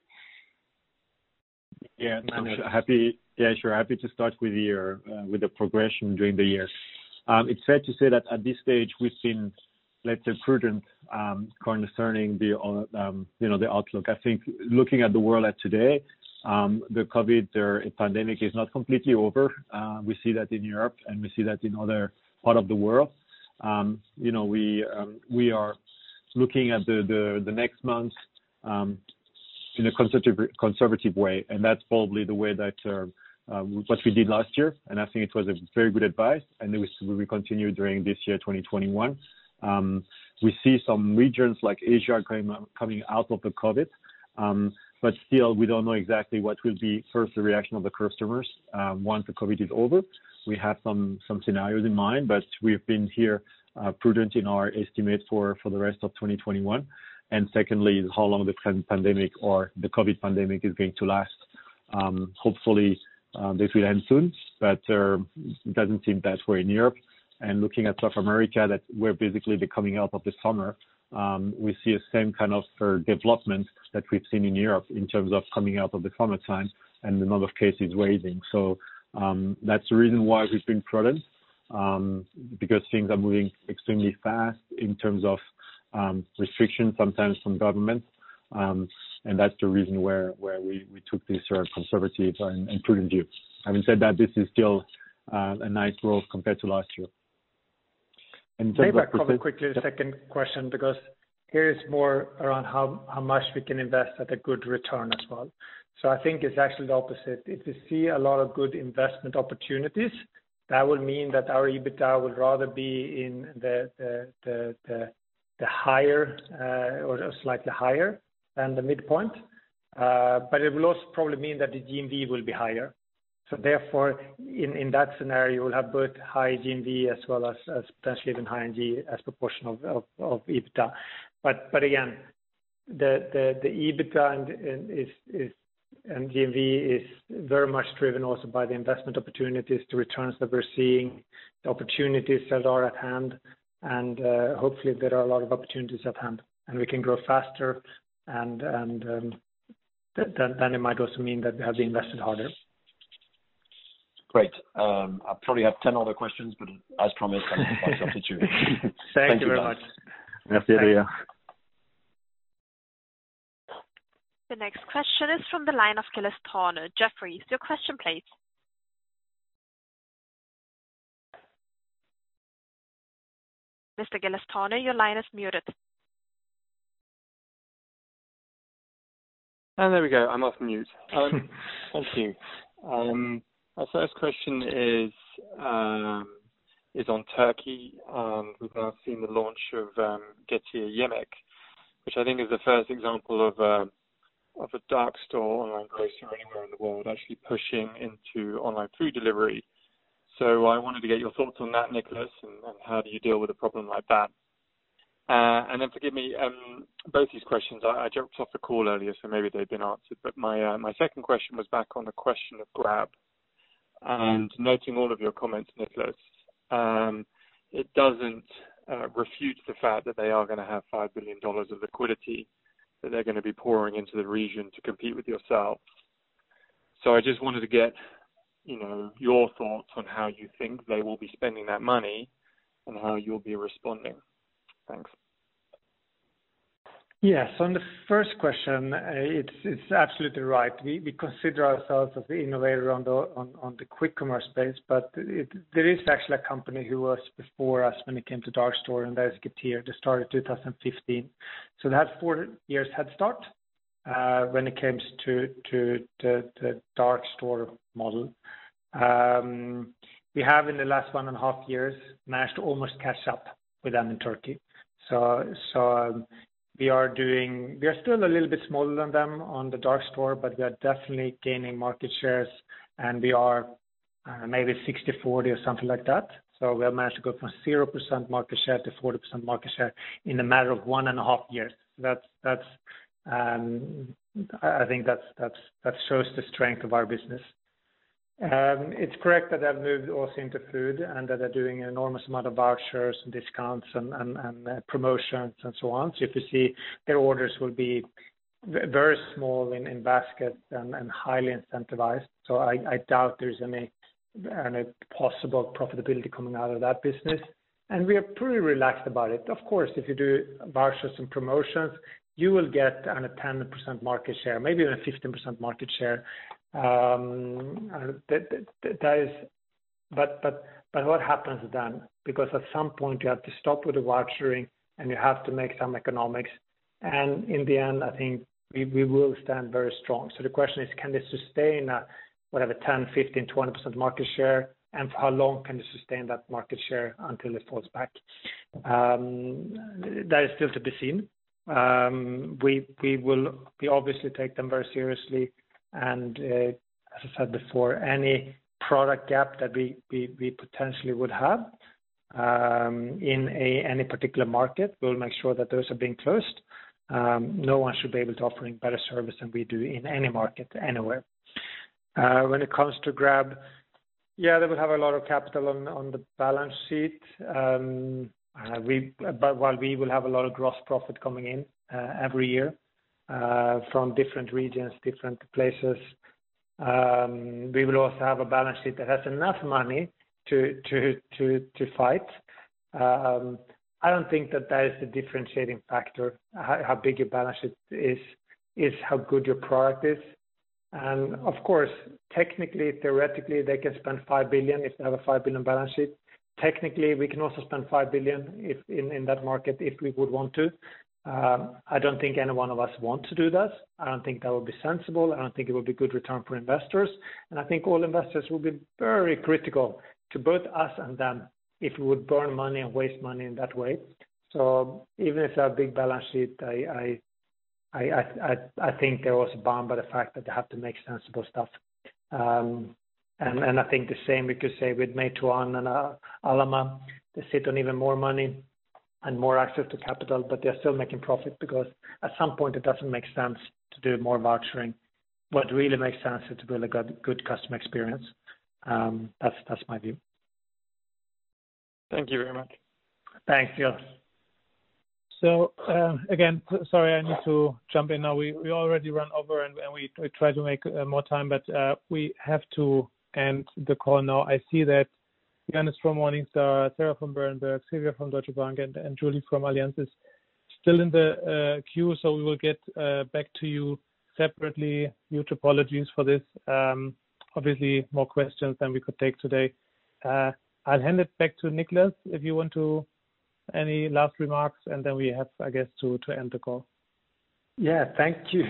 Yeah, I'm sure happy to start with the progression during the year. It's fair to say that at this stage, we've been, let's say, prudent concerning the outlook. I think looking at the world at today, the COVID pandemic is not completely over. We see that in Europe, we see that in other part of the world. We are looking at the next months in a conservative way, that's probably the way that what we did last year, I think it was a very good advice, we will continue during this year, 2021. We see some regions like Asia coming out of the COVID. Still, we don't know exactly what will be first the reaction of the customers once the COVID is over. We have some scenarios in mind, we've been here prudent in our estimates for the rest of 2021. Secondly, how long the current pandemic or the COVID pandemic is going to last. Hopefully, this will end soon, but it doesn't seem that way in Europe. Looking at South America, that we're basically the coming out of the summer. We see the same kind of development that we've seen in Europe in terms of coming out of the summer time and the number of cases rising. That's the reason why we've been prudent. Things are moving extremely fast in terms of restrictions sometimes from governments. That's the reason why we took this conservative and prudent view. Having said that, this is still a nice growth compared to last year. May I cover quickly the second question, because here it's more around how much we can invest at a good return as well. I think it's actually the opposite. If we see a lot of good investment opportunities, that will mean that our EBITDA would rather be slightly higher than the midpoint. It will also probably mean that the GMV will be higher. Therefore, in that scenario, we'll have both high GMV as well as potentially even high NG as proportion of EBITDA. Again, the EBITDA and GMV is very much driven also by the investment opportunities, the returns that we're seeing, the opportunities that are at hand, and hopefully there are a lot of opportunities at hand, and we can grow faster, and then it might also mean that they have been invested harder. Great. I probably have 10 other questions, but as promised, I will pass off to Suki. Thank you very much. Merci, Adrien. The next question is from the line of Giles Thorne, Jefferies. Your question, please. Mr. Giles Thorne, your line is muted. There we go. I'm off mute. Thank you. Our first question is on Turkey. We've now seen the launch of GetirYemek, which I think is the first example of a dark store online grocer anywhere in the world actually pushing into online food delivery. I wanted to get your thoughts on that, Niklas, how do you deal with a problem like that? Forgive me, both these questions, I jumped off the call earlier, maybe they've been answered, my second question was back on the question of Grab and noting all of your comments, Niklas. It doesn't refute the fact that they are going to have $5 billion of liquidity that they're going to be pouring into the region to compete with yourselves. I just wanted to get your thoughts on how you think they will be spending that money and how you'll be responding. Thanks. Yes. On the first question, it's absolutely right. We consider ourselves as the innovator on the quick commerce space. There is actually a company who was before us when it came to dark store, and that is Getir. They started 2015. They had four years head start when it came to the dark store model. We have in the last one and a half years managed to almost catch up with them in Turkey. We are still a little bit smaller than them on the dark store. We are definitely gaining market shares and we are maybe 60-40 or something like that. We have managed to go from 0% market share to 40% market share in a matter of one and a half years. I think that shows the strength of our business. It's correct that they've moved also into food and that they're doing an enormous amount of vouchers and discounts and promotions and so on. If you see their orders will be very small in basket and highly incentivized. I doubt there's any possible profitability coming out of that business, and we are pretty relaxed about it. Of course, if you do vouchers and promotions, you will get a 10% market share, maybe even a 15% market share. What happens then? At some point you have to stop with the vouchering and you have to make some economics, and in the end, I think we will stand very strong. The question is, can they sustain a, whatever, 10%, 15%, 20% market share? For how long can they sustain that market share until it falls back? That is still to be seen. We obviously take them very seriously, and as I said before, any product gap that we potentially would have in any particular market, we'll make sure that those are being closed. No one should be able to offer any better service than we do in any market, anywhere. When it comes to Grab, yeah, they will have a lot of capital on the balance sheet. But while we will have a lot of gross profit coming in every year from different regions, different places, we will also have a balance sheet that has enough money to fight. I don't think that is the differentiating factor, how big your balance sheet is. It's how good your product is. And of course, technically, theoretically, they can spend $5 billion if they have a $5 billion balance sheet. Technically, we can also spend $5 billion in that market if we would want to. I don't think any one of us want to do that. I don't think that would be sensible, I don't think it would be good return for investors, and I think all investors would be very critical to both us and them if we would burn money and waste money in that way. Even if they have a big balance sheet, I think they're also bound by the fact that they have to make sensible stuff. I think the same we could say with Meituan and Alibaba. They sit on even more money and more access to capital, but they're still making profit because at some point it doesn't make sense to do more vouchering. What really makes sense is to build a good customer experience. That's my view. Thank you very much. Thanks, Giles. Again, sorry, I need to jump in now. We already run over and we try to make more time, but we have to end the call now. I see that Ioannis from Morningstar, Sarah from Berenberg, Silvia from Deutsche Bank, and Julie from Allianz is still in the queue. We will get back to you separately. Huge apologies for this. Obviously more questions than we could take today. I'll hand it back to Niklas, if you want to, any last remarks. Then we have, I guess, to end the call. Yeah. Thank you.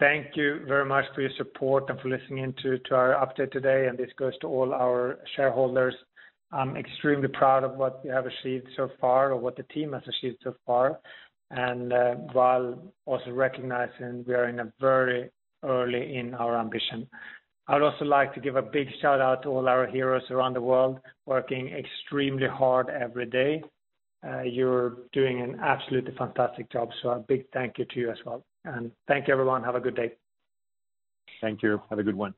Thank you very much for your support and for listening in to our update today. This goes to all our shareholders. I'm extremely proud of what we have achieved so far or what the team has achieved so far. While also recognizing we are in a very early in our ambition. I would also like to give a big shout-out to all our heroes around the world working extremely hard every day. You're doing an absolutely fantastic job, so a big thank you to you as well. Thank you, everyone. Have a good day. Thank you. Have a good one.